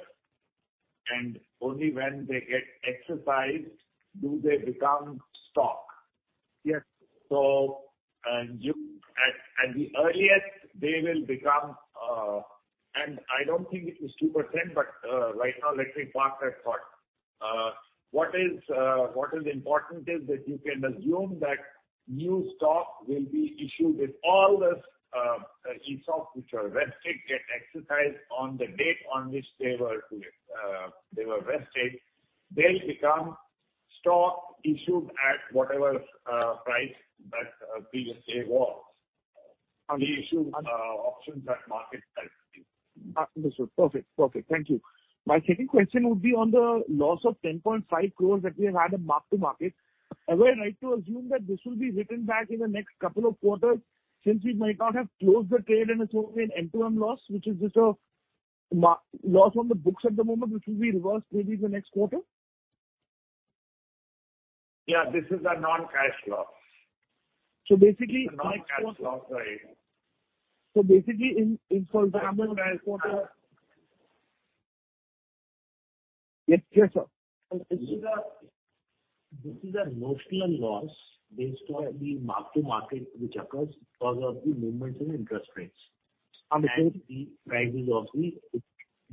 and only when they get exercised do they become stock. Yes. At the earliest, they will become. I don't think it is 2%, but right now let me park that thought. What is important is that you can assume that new stock will be issued if all the ESOP which are vested get exercised on the date on which they were vested. They'll become stock issued at whatever price that previous day was. We issue options at market price. Understood. Perfect. Thank you. My second question would be on the loss of 10.5 crore that we have had in mark to market. Are we right to assume that this will be written back in the next couple of quarters, since we might not have closed the trade and it's only an M2M loss, which is just a loss on the books at the moment, which will be reversed maybe in the next quarter? Yeah, this is a non-cash loss. Basically next- A non-cash loss, sorry. Basically in- This is a notional loss based on the mark-to-market which occurs because of the movements in interest rates- Understood.... and the prices of the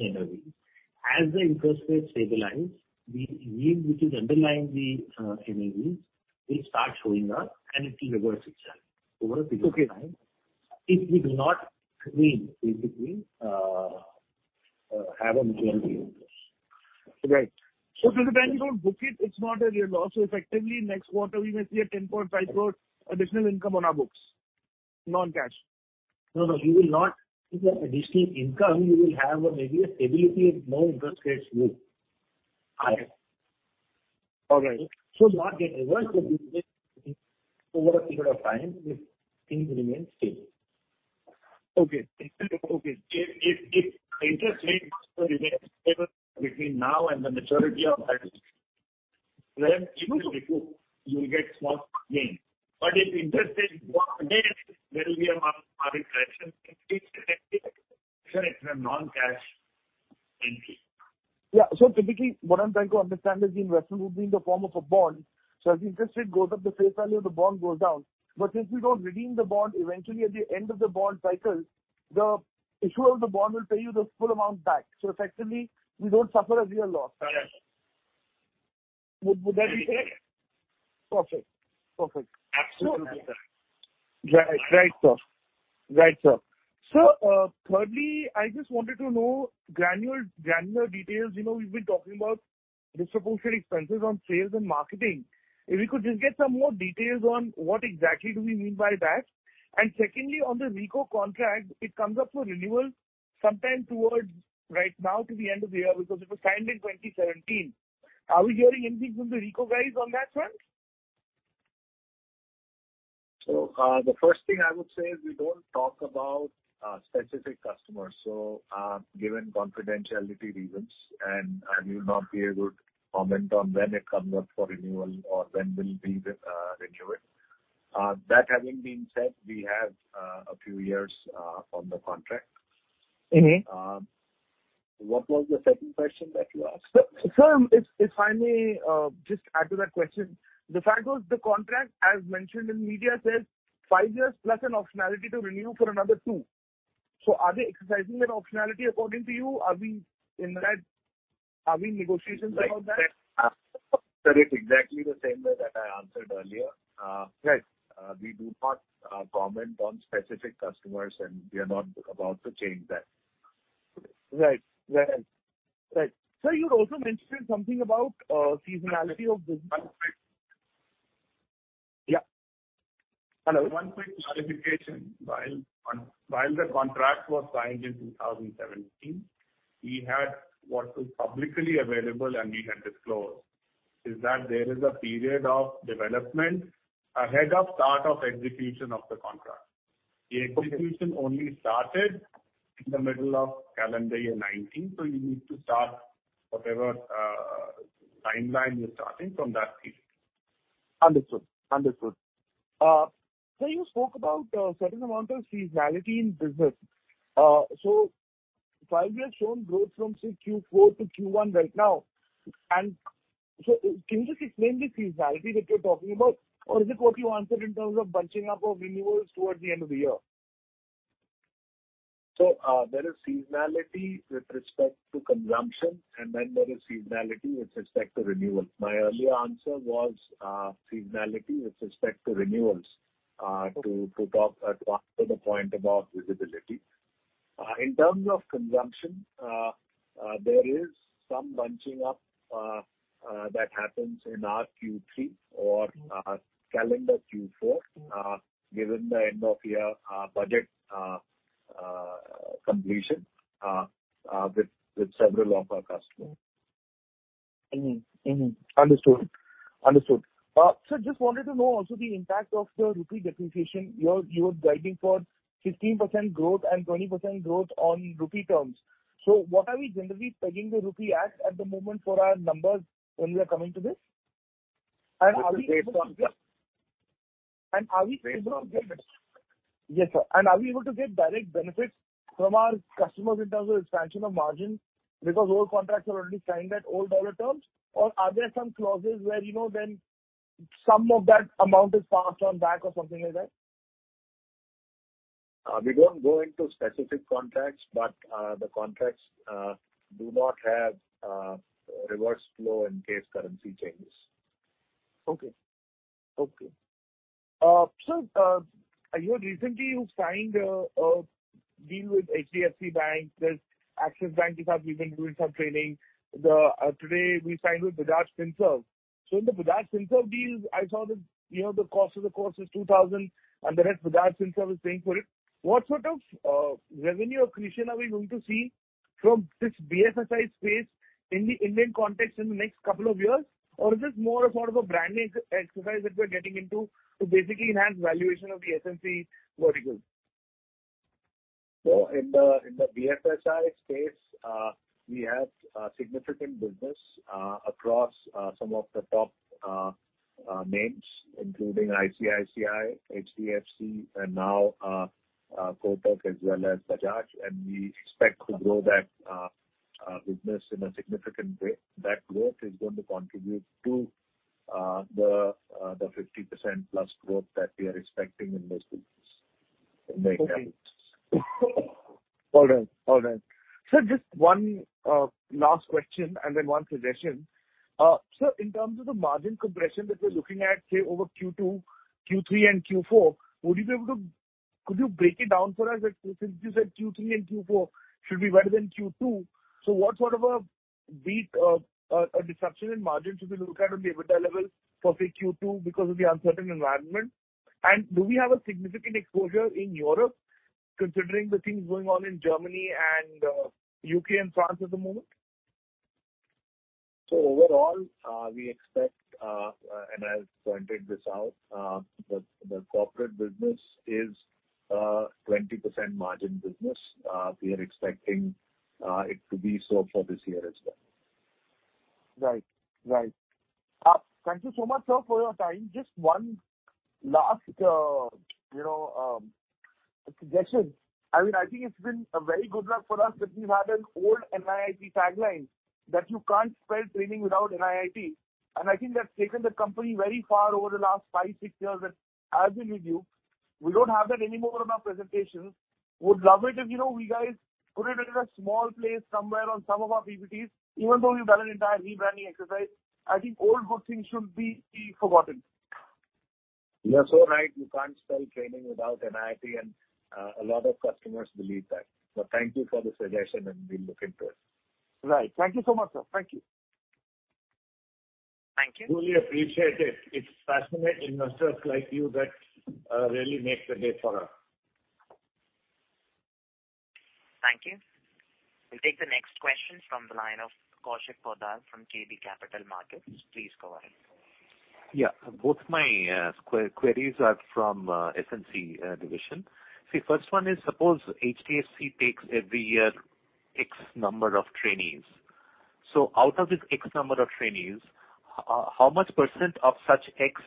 NAV. As the interest rates stabilize, the yield which is underlying the NAV will start showing up, and it will reverse itself over a period of time. Okay. If we do not redeem, basically, have a majority of this. Right. If you then don't book it, it's not a real loss. Effectively next quarter we may see 10.5 crore additional income on our books, non-cash? No, you will not see additional income. You will have maybe a stability of no interest rates move higher. All right. It will not get reversed [but it will stay] over a period of time if things remain stable. Okay. If interest rates remain stable between now and the maturity of that plan, it ill recoup. You will get small gain. If interest rates drop again, there will be a mark to market correction. It's a non-cash entry. Yeah. Typically what I'm trying to understand is the investment would be in the form of a bond. As the interest rate goes up, the face value of the bond goes down. But since we don't redeem the bond, eventually at the end of the bond cycle, the issuer of the bond will pay you the full amount back. Effectively we don't suffer a real loss? Correct. Would that be fair? Perfect. Perfect. Absolutely. Right, sir. Sir, thirdly, I just wanted to know granular details. You know, we've been talking about disproportionate expenses on sales and marketing. If we could just get some more details on what exactly do we mean by that. Secondly, on the RECO contract, it comes up for renewal sometime towards right now to the end of the year because it was signed in 2017. Are we hearing anything from the RECO guys on that front? The first thing I would say is we don't talk about specific customers. Given confidentiality reasons, I will not be able to comment on when it comes up for renewal or when we'll be renewing. That having been said, we have a few years on the contract. Mm-hmm. What was the second question that you asked? Sir, if I may, just add to that question. The fact was the contract, as mentioned in media, says five years plus an optionality to renew for another two years. Are they exercising that optionality according to you? Are we in negotiations about that? That's exactly the same way that I answered earlier. Right. We do not comment on specific customers, and we are not about to change that today. Right. Sir, you also mentioned something about seasonality of business. One quick- Yeah. Hello. One quick clarification. While the contract was signed in 2017, we had what was publicly available and we had disclosed is that there is a period of development ahead of start of execution of the contract. The execution only started in the middle of calendar year 2019, so you need to start whatever timeline you're starting from that period. Understood. Sir, you spoke about a certain amount of seasonality in business. While we have shown growth from say Q4-Q1 right now, and so can you just explain the seasonality that you're talking about? Or is it what you answered in terms of bunching up of renewals towards the end of the year? There is seasonality with respect to consumption and then there is seasonality with respect to renewal. My earlier answer was seasonality with respect to renewals to answer the point about visibility. In terms of consumption, there is some bunching up that happens in our Q3 or calendar Q4 given the end of year budget completion with several of our customers. Mm-hmm. Understood. Sir, just wanted to know also the impact of the rupee depreciation. You're guiding for 15% growth and 20% growth on rupee terms. What are we generally pegging the rupee at the moment for our numbers when we are coming to this? And are we able to- [We base on..] Are we- Based on FX? Yes, sir. Are we able to get direct benefits from our customers in terms of expansion of margin because old contracts are already signed at old dollar terms? Or are there some clauses where, you know, then some of that amount is passed on back or something like that? We don't go into specific contracts, but the contracts do not have reverse flow in case currency changes. Okay, sir, you had recently signed a deal with HDFC Bank. There's Axis Bank, you guys, you've been doing some training. Today we signed with Bajaj Finserv. In the Bajaj Finserv deals, I saw that, you know, the cost of the course is 2,000, and the rest Bajaj Finserv is paying for it. What sort of revenue accretion are we going to see from this BFSI space in the Indian context in the next couple of years? Or is this more of sort of a branding exercise that we're getting into to basically enhance valuation of the SNC vertical? In the BFSI space, we have significant business across some of the top names, including ICICI, HDFC, and now Kotak as well as Bajaj. We expect to grow that business in a significant way. That growth is going to contribute to the 50%+ growth that we are expecting in this business in the next year. Okay. All right. Sir, just one last question and then one suggestion. Sir, in terms of the margin compression that we're looking at, say over Q2, Q3 and Q4, could you break it down for us? Since you said Q3 and Q4 should be better than Q2, what sort of a beat, a disruption in margin should we look at on the EBITDA levels for, say, Q2 because of the uncertain environment? And do we have a significant exposure in Europe considering the things going on in Germany and U.K. and France at the moment? Overall, we expect, and I've pointed this out, the corporate business is a 20% margin business. We are expecting it to be so for this year as well. Right. Right. Thank you so much, sir, for your time. Just one last, you know, suggestion. I mean, I think it's been a very good luck for us that we've had an old NIIT tagline that you can't spell training without NIIT. I think that's taken the company very far over the last five, six years that I've been with you. We don't have that anymore on our presentations. Would love it if, you know, we guys put it in a small place somewhere on some of our PPTs, even though we've done an entire rebranding exercise. I think old good things shouldn't be forgotten. You are so right. You can't spell training without an NIIT, and a lot of customers believe that. Thank you for the suggestion, and we'll look into it. Right. Thank you so much, sir. Thank you. Truly appreciate it. It's passionate investors like you that really make the day for us. Thank you. We'll take the next question from the line of Kaushik Poddar from KB Capital Markets. Please go ahead. Yeah. Both my queries are from SNC division. See, first one is suppose HDFC takes every year X number of trainees. So out of this X number of trainees, how much percent of such X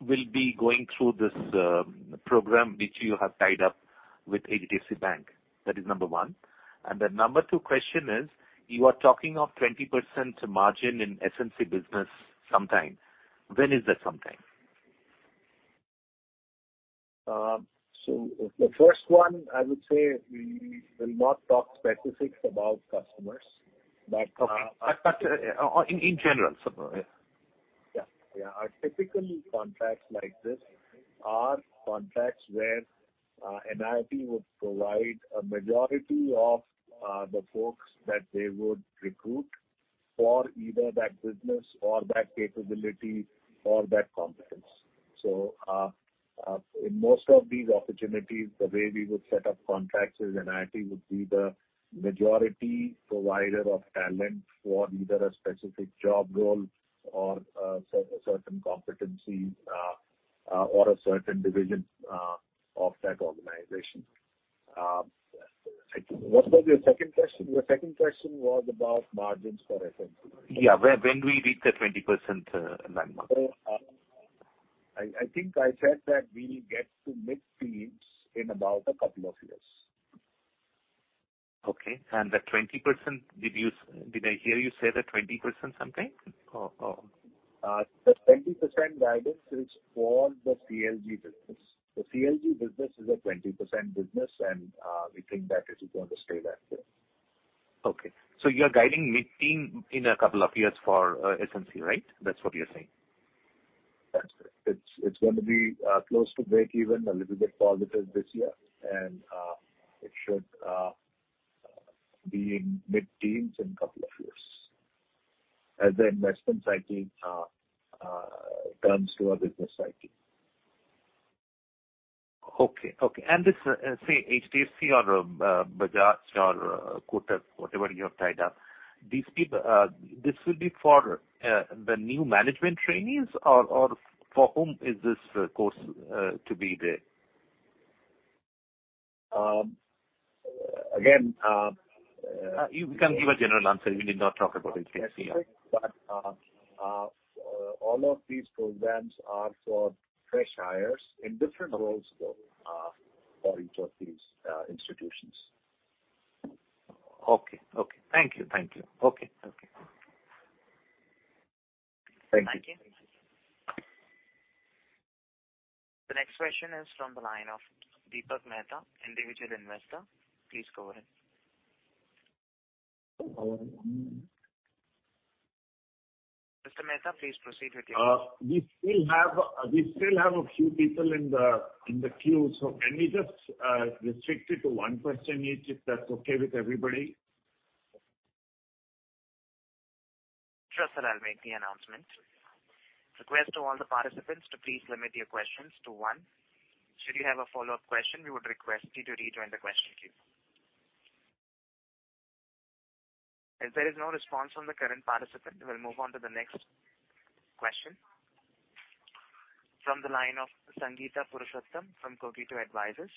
will be going through this program which you have tied up with HDFC Bank? That is number one. Number two question is, you are talking of 20% margin in SNC business sometime. When is that sometime? The first one, I would say we will not talk specifics about customers. In general. Yeah. Our typical contracts like this are contracts where NIIT would provide a majority of the folks that they would recruit for either that business or that capability or that competence. In most of these opportunities, the way we would set up contracts is NIIT would be the majority provider of talent for either a specific job role or certain competencies or a certain division of that organization. What was your second question? Your second question was about margins for SNC, right? Yeah. When we reach the 20% landmark. I think I said that we get to mid-teens in about a couple of years. Okay. The 20%, did I hear you say the 20% something? Or... The 20% guidance is for the CLG business. The CLG business is a 20% business and we think that is going to stay that way. Okay. You're guiding mid-teen in a couple of years for SNC, right? That's what you're saying. That's right. It's going to be close to breakeven, a little bit positive this year. It should be in mid-teens in a couple of years as the investment cycle turns to a business cycle. Okay. This, say, HDFC or Bajaj or Kotak, whatever you have tied up. These people... This will be for the new management trainees or for whom is this course to be there? Um, again, um- You can give a general answer. You need not talk about HDFC. All of these programs are for fresh hires in different roles, though, for each of these institutions. Okay. Thank you. Okay. Thank you. Thank you. The next question is from the line of Deepak Mehta, individual investor. Please go ahead. Mr. Mehta, please proceed with your question. We still have a few people in the queue, so can we just restrict it to one person each, if that's okay with everybody? Sure sir, I'll make the announcement. Request to all the participants to please limit your questions to one. Should you have a follow-up question, we would request you to rejoin the question queue. As there is no response from the current participant, we'll move on to the next question from the line of Sangeeta Purushottam from Cogito Advisors.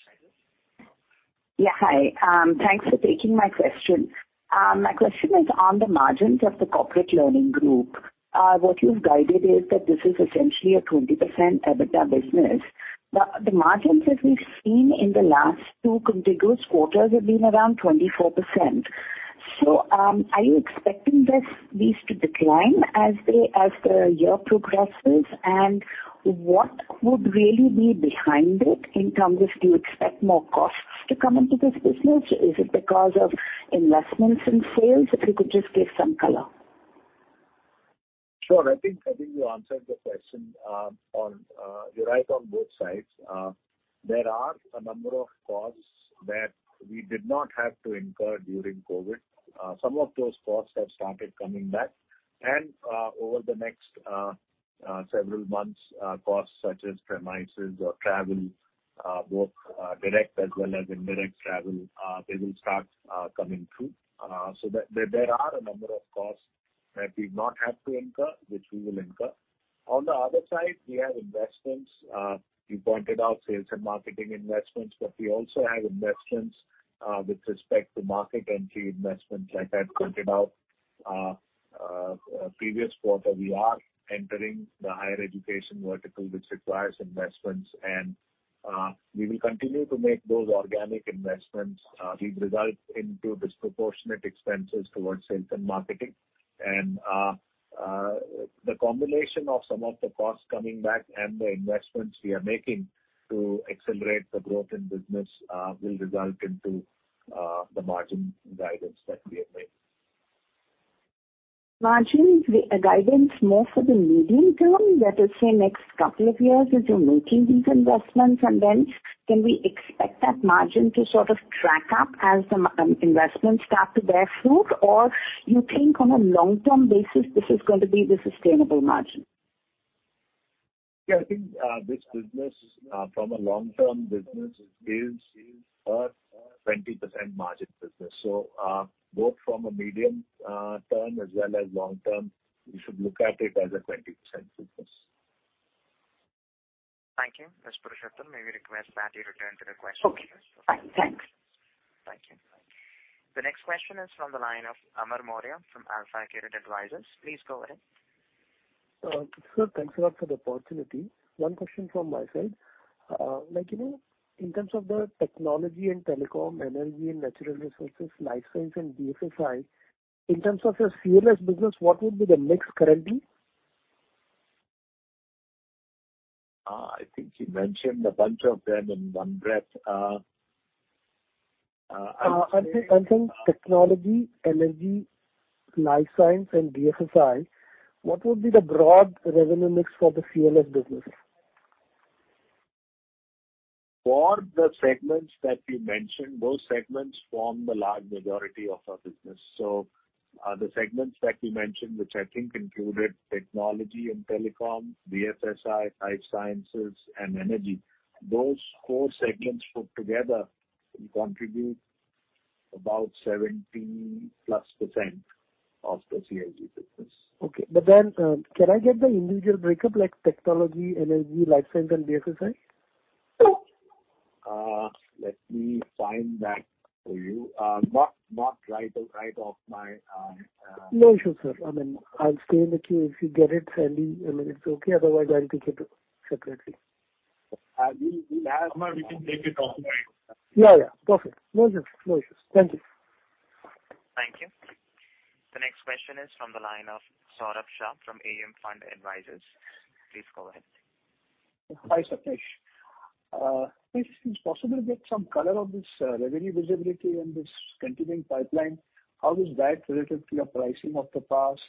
Yeah. Hi. Thanks for taking my question. My question is on the margins of the Corporate Learning Group. What you've guided is that this is essentially a 20% EBITDA business. The margins as we've seen in the last two contiguous quarters have been around 24%. Are you expecting this to decline as the year progresses? What would really be behind it in terms of do you expect more costs to come into this business? Is it because of investments in sales? If you could just give some color. I think you answered the question. You're right on both sides. There are a number of costs that we did not have to incur during COVID. Some of those costs have started coming back. Over the next several months, costs such as premises or travel, both direct as well as indirect travel, they will start coming through. There are a number of costs that we've not had to incur, which we will incur. On the other side, we have investments. You pointed out sales and marketing investments, but we also have investments with respect to market entry investments like I've pointed out previous quarter. We are entering the higher education vertical, which requires investments. We will continue to make those organic investments, which result into disproportionate expenses towards sales and marketing. The combination of some of the costs coming back and the investments we are making to accelerate the growth in business will result into the margin guidance that we have made. Margin is the guidance more for the medium term, that is say next couple of years as you're making these investments and then can we expect that margin to sort of track up as the investments start to bear fruit? Or you think on a long-term basis this is going to be the sustainable margin? I think this business from a long-term business is a 20% margin business. Both from a medium term as well as long term, you should look at it as a 20% business. Thank you. Ms. Purushottam. May we request that you return to the question queue. Okay, fine. Thanks. Thank you. The next question is from the line of Amar Maurya from AlfAccurate Advisors. Please go ahead. Sir, thanks a lot for the opportunity. One question from my side. Like, you know, in terms of the technology and telecom, energy and natural resources, life science and BFSI. In terms of your CLG business, what would be the mix currently? I think you mentioned a bunch of them in one breath. I'd say- I'm saying technology, energy, life science and BFSI. What would be the broad revenue mix for the CLG business? For the segments that you mentioned, those segments form the large majority of our business. The segments that you mentioned, which I think included technology and telecom, BFSI, life sciences and energy, those four segments put together contribute about 70%+ of the CLG business. Okay. Can I get the individual breakup like technology, energy, life science and BFSI? Let me find that for you. Not right off my- No issue, sir. I mean, I'll stay in the queue. If you get it handy, I mean, it's okay. Otherwise, I'll take it separately. We'll have- Amar, we can take it offline. Yeah, yeah. Perfect. No issues. Thank you. Thank you. The next question is from the line of Saurabh Shah from AUM Fund Advisors. Please go ahead. Hi, Sapnesh. If it's possible to get some color on this revenue visibility and this continuing pipeline, how is that related to your pricing of the past?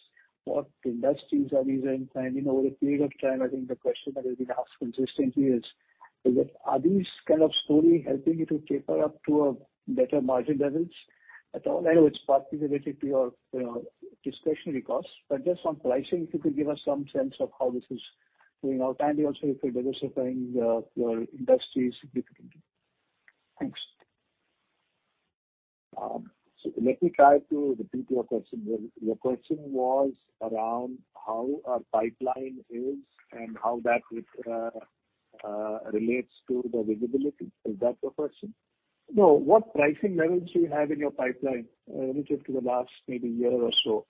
What industries are these in? You know, over a period of time, I think the question that has been asked consistently is, are these kind of story helping you to taper up to a better margin levels at all? I know it's partly related to your discretionary costs, but just on pricing, if you could give us some sense of how this is playing out, and also if you're diversifying your industries significantly. Thanks. Let me try to repeat your question. Your question was around how our pipeline is and how that would relate to the visibility. Is that your question? No. What pricing levels do you have in your pipeline, relative to the last maybe year or so?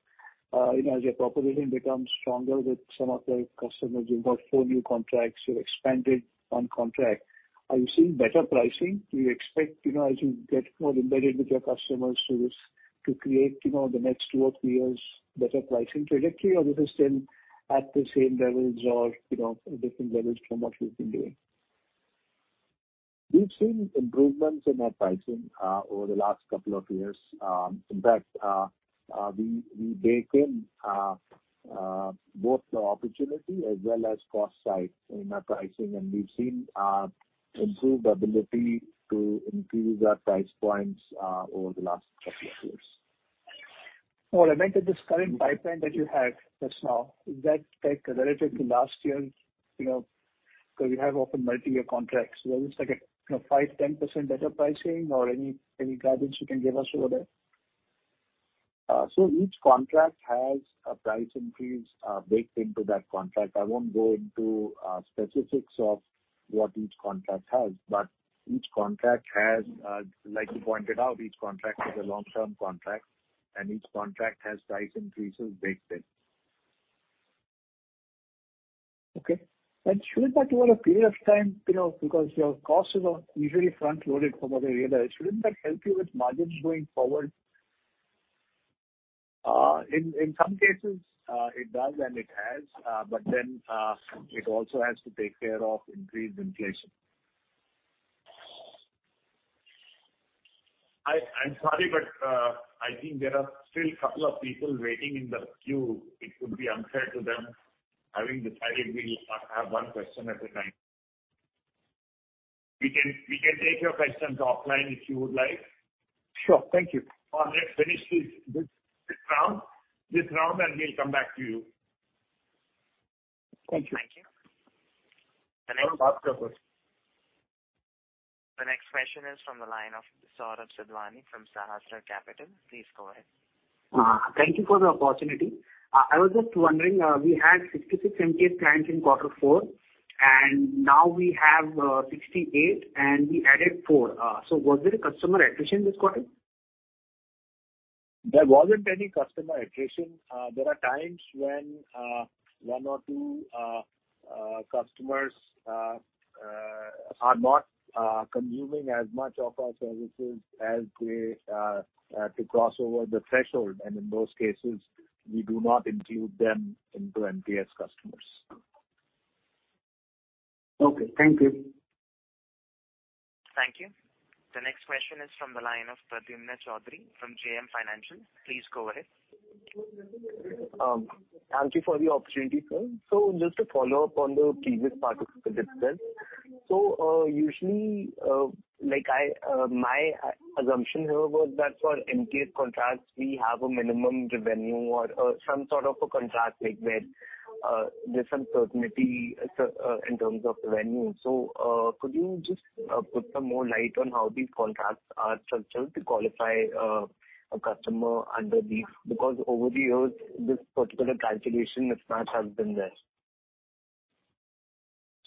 You know, as your proposition becomes stronger with some of your customers, you've got four new contracts, you've expanded on contract. Are you seeing better pricing? Do you expect, you know, as you get more embedded with your customer service to create, you know, the next two or three years better pricing trajectory or is this still at the same levels or, you know, different levels from what you've been doing? We've seen improvements in our pricing over the last couple of years. In fact, we bake in both the opportunity as well as cost side in our pricing, and we've seen improved ability to increase our price points over the last couple of years. No, what I meant is this current pipeline that you have just now, is that like relative to last year's, you know, because you have often multi-year contracts, whether it's like a, you know, 5%-10% better pricing or any guidance you can give us over there? Each contract has a price increase baked into that contract. I won't go into specifics of what each contract has, but each contract has, like you pointed out, each contract is a long-term contract and each contract has price increases baked in. Okay. Shouldn't that, over a period of time, you know, because your costs are usually front-loaded from what I realize, shouldn't that help you with margins going forward? In some cases, it does, and it has. Then it also has to take care of increased inflation. I'm sorry, but I think there are still couple of people waiting in the queue. It would be unfair to them having decided we have one question at a time. We can take your questions offline if you would like. Sure. Thank you. Let's finish this round, and we'll come back to you. Thank you. Thank you. No problem. The next question is from the line of Saurabh Sadhwani from Sahasrar Capital. Please go ahead. Thank you for the opportunity. I was just wondering, we had 66 MTS clients in quarter four, and now we have 68 MTS clients, and we added four. Was there a customer attrition this quarter? There wasn't any customer attrition. There are times when one or two customers are not consuming as much of our services to cross over the threshold. In those cases, we do not include them into MTS customers. Okay. Thank you. Thank you. The next question is from the line of Pradyumna Choudhary from JM Financial. Please go ahead. Thank you for the opportunity, sir. Just to follow up on the previous participant itself. Usually, like my assumption here was that for MTS contracts, we have a minimum revenue or some sort of a contract like where there's some certainty in terms of revenue. Could you just shed some more light on how these contracts are structured to qualify a customer under these? Because over the years, this particular calculation mismatch has been there.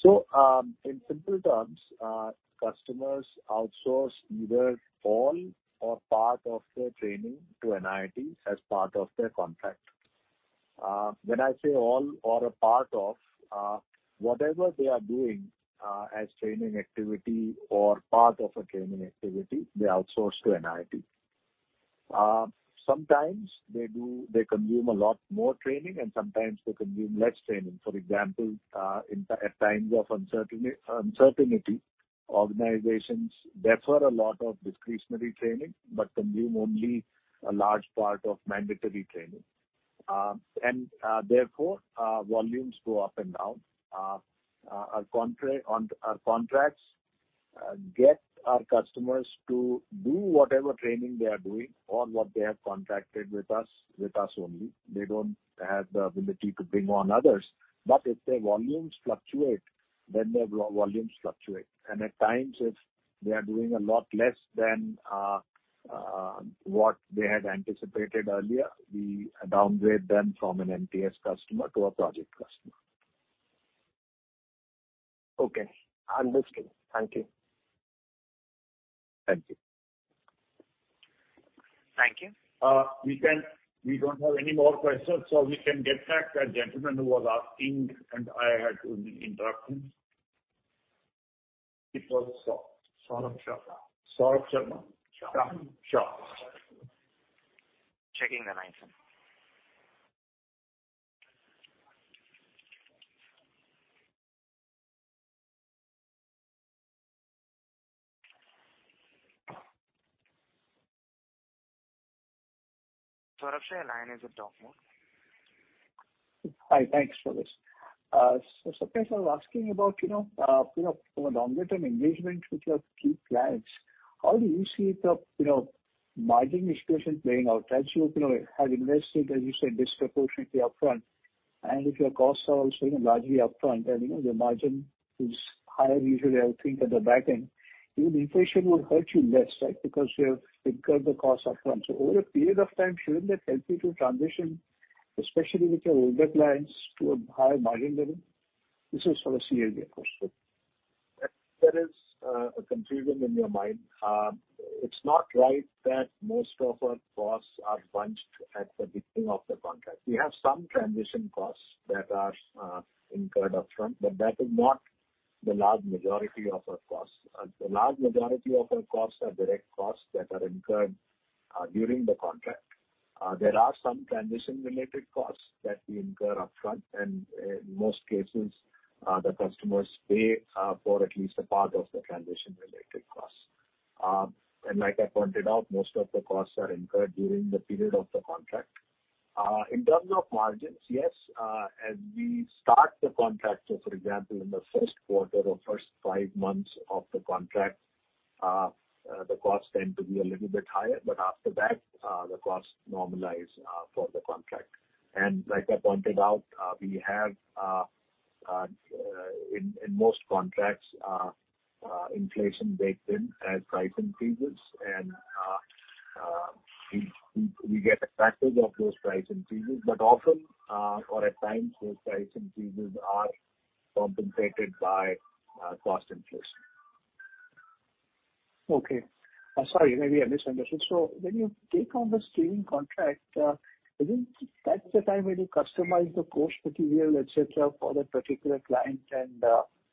In simple terms, customers outsource either all or part of their training to NIIT as part of their contract. When I say all or a part of, whatever they are doing, as training activity or part of a training activity, they outsource to NIIT. Sometimes they consume a lot more training and sometimes they consume less training. For example, in times of uncertainty, organizations defer a lot of discretionary training but consume only a large part of mandatory training. Therefore, volumes go up and down. On our contracts get our customers to do whatever training they are doing on what they have contracted with us, with us only. They don't have the ability to bring on others. If their volumes fluctuate, then their volumes fluctuate. At times if they are doing a lot less than what they had anticipated earlier, we downgrade them from an MTS customer to a project customer. Okay. Understood. Thank you. Thank you. Thank you. We don't have any more questions, so we can get back to that gentleman who was asking and I had to interrupt him. It was Saur- Saurabh Shah. Saurabh Sharma. Shah. Shah. Checking the line, sir. Saurabh Shah, your line is in talk mode. Hi. Thanks for this. Sapnesh, I was asking about, you know, you know, from a longer term engagement with your key clients, how do you see the, you know, margin equation playing out as, you know, have invested, as you said, disproportionately upfront. If your costs are also, you know, largely upfront and, you know, your margin is higher usually I would think at the back end, even inflation would hurt you less, right? Because you have incurred the costs upfront. Over a period of time, shouldn't that help you to transition, especially with your older clients to a higher margin level? This is for the CLG course. That is a confusion in your mind. It's not right that most of our costs are bunched at the beginning of the contract. We have some transition costs that are incurred upfront, but that is not the large majority of our costs. The large majority of our costs are direct costs that are incurred during the contract. There are some transition related costs that we incur upfront and in most cases, the customers pay for at least a part of the transition related costs. Like I pointed out, most of the costs are incurred during the period of the contract. In terms of margins, yes, as we start the contract. For example, in the first quarter or first five months of the contract, the costs tend to be a little bit higher. After that, the costs normalize for the contract. Like I pointed out, we have in most contracts inflation baked in as price increases and we get a package of those price increases. Often, or at times those price increases are compensated by cost inflation. Okay. Sorry, maybe I misunderstood. When you take on this training contract, isn't that the time when you customize the course material, et cetera, for that particular client and,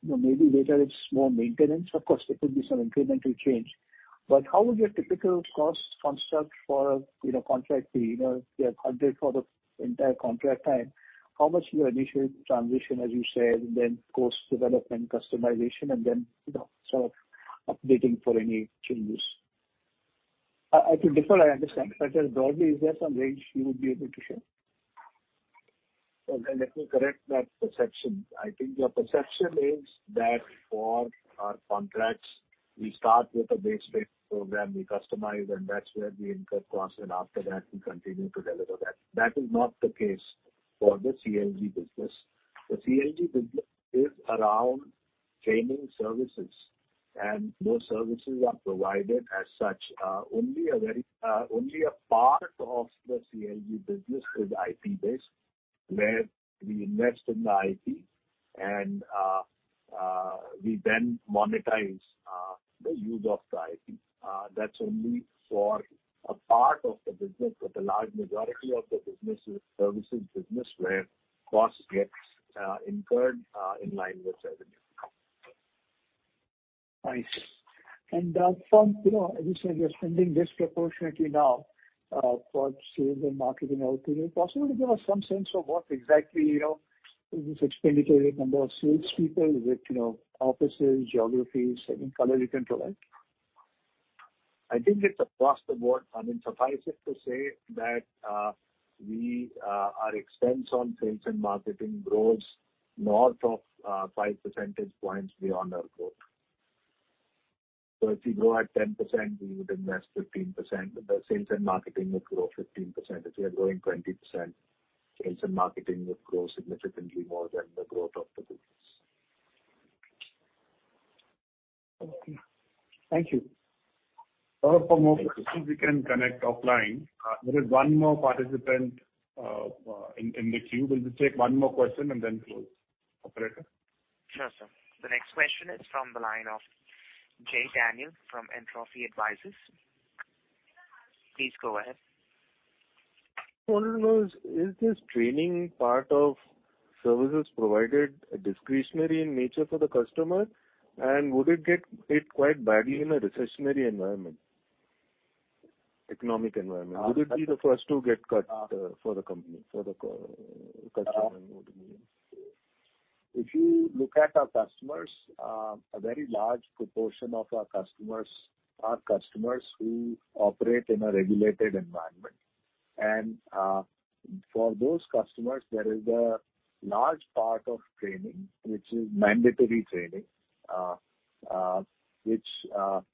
you know, maybe later it's more maintenance? Of course, there could be some incremental change. How would your typical cost construct for, you know, contract fee? You know, they have 100% for the entire contract time. How much is your initial transition, as you said, then course development, customization, and then, you know, sort of updating for any changes? I think I understand, but just broadly, is there some range you would be able to share? Okay, let me correct that perception. I think your perception is that for our contracts, we start with a base rate program. We customize and that's where we incur costs, and after that we continue to deliver that. That is not the case for the CLG business. The CLG business is around training services, and those services are provided as such. Only a part of the CLG business is IP-based, where we invest in the IP and we then monetize the use of the IP. That's only for a part of the business, but the large majority of the business is services business where costs gets incurred in line with revenue. Nice. From, you know, as you said, you're spending disproportionately now for sales and marketing output. Is it possible to give us some sense of what exactly, you know, this expenditure, number of salespeople with, you know, offices, geographies, I mean, color you can provide? I think it's across the board. I mean, suffice it to say that, we, our expense on sales and marketing grows north of 5 percentage points beyond our growth. If you grow at 10%, we would invest 15%. The sales and marketing would grow 15%. If we are growing 20%, sales and marketing would grow significantly more than the growth of the business. Okay. Thank you. Thank you. For more questions we can connect offline. There is one more participant in the queue. We'll just take one more question and then close. Operator? Sure, sir. The next question is from the line of Jay Daniel from Entropy Advisors. Please go ahead. I wanna know, is this training part of services provided discretionary in nature for the customer? Would it get hit quite badly in a recessionary environment, economic environment? Uh- Would it be the first to get cut, for the company, for the customer I mean? If you look at our customers, a very large proportion of our customers are customers who operate in a regulated environment. For those customers, there is a large part of training which is mandatory training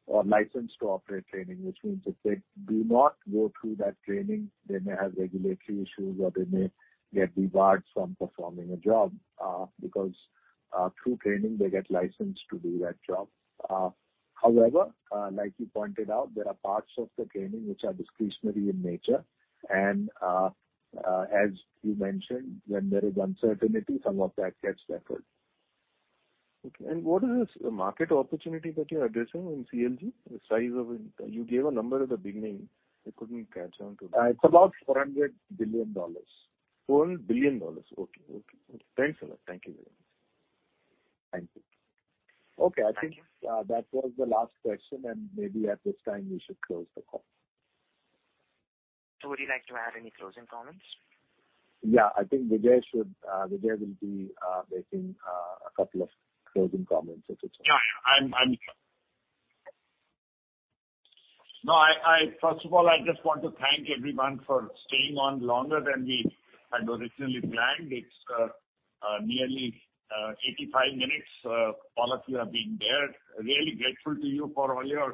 or license to operate training. Which means if they do not go through that training, they may have regulatory issues, or they may get debarred from performing a job. Because through training, they get licensed to do that job. However, like you pointed out, there are parts of the training which are discretionary in nature. As you mentioned, when there is uncertainty, some of that gets affected. Okay. What is this market opportunity that you're addressing in CLG, the size of it? You gave a number at the beginning. I couldn't catch on to that. It's about $400 billion. $400 billion. Okay. Thanks a lot. Thank you very much. Thank you. Okay. I think, that was the last question, and maybe at this time you should close the call. Would you like to add any closing comments? I think Vijay will be making a couple of closing comments if it's okay. No. First of all, I just want to thank everyone for staying on longer than we had originally planned. It's nearly 85 minutes. All of you have been there. Really grateful to you for all your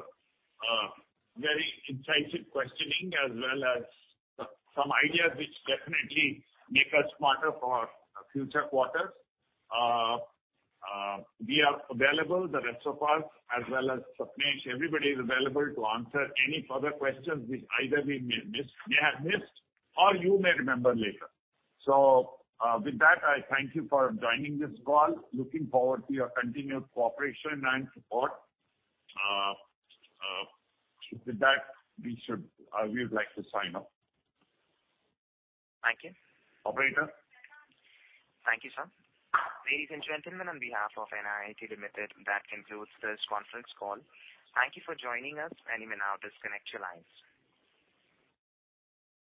very incisive questioning, as well as some ideas which definitely make us smarter for future quarters. We are available, the rest of us as well as Sapnesh. Everybody is available to answer any further questions which either we may miss, may have missed or you may remember later. With that, I thank you for joining this call. Looking forward to your continued cooperation and support. With that, we would like to sign off. Thank you. Operator? Thank you, sir. Ladies and gentlemen, on behalf of NIIT Limited, that concludes this conference call. Thank you for joining us. You may now disconnect your lines.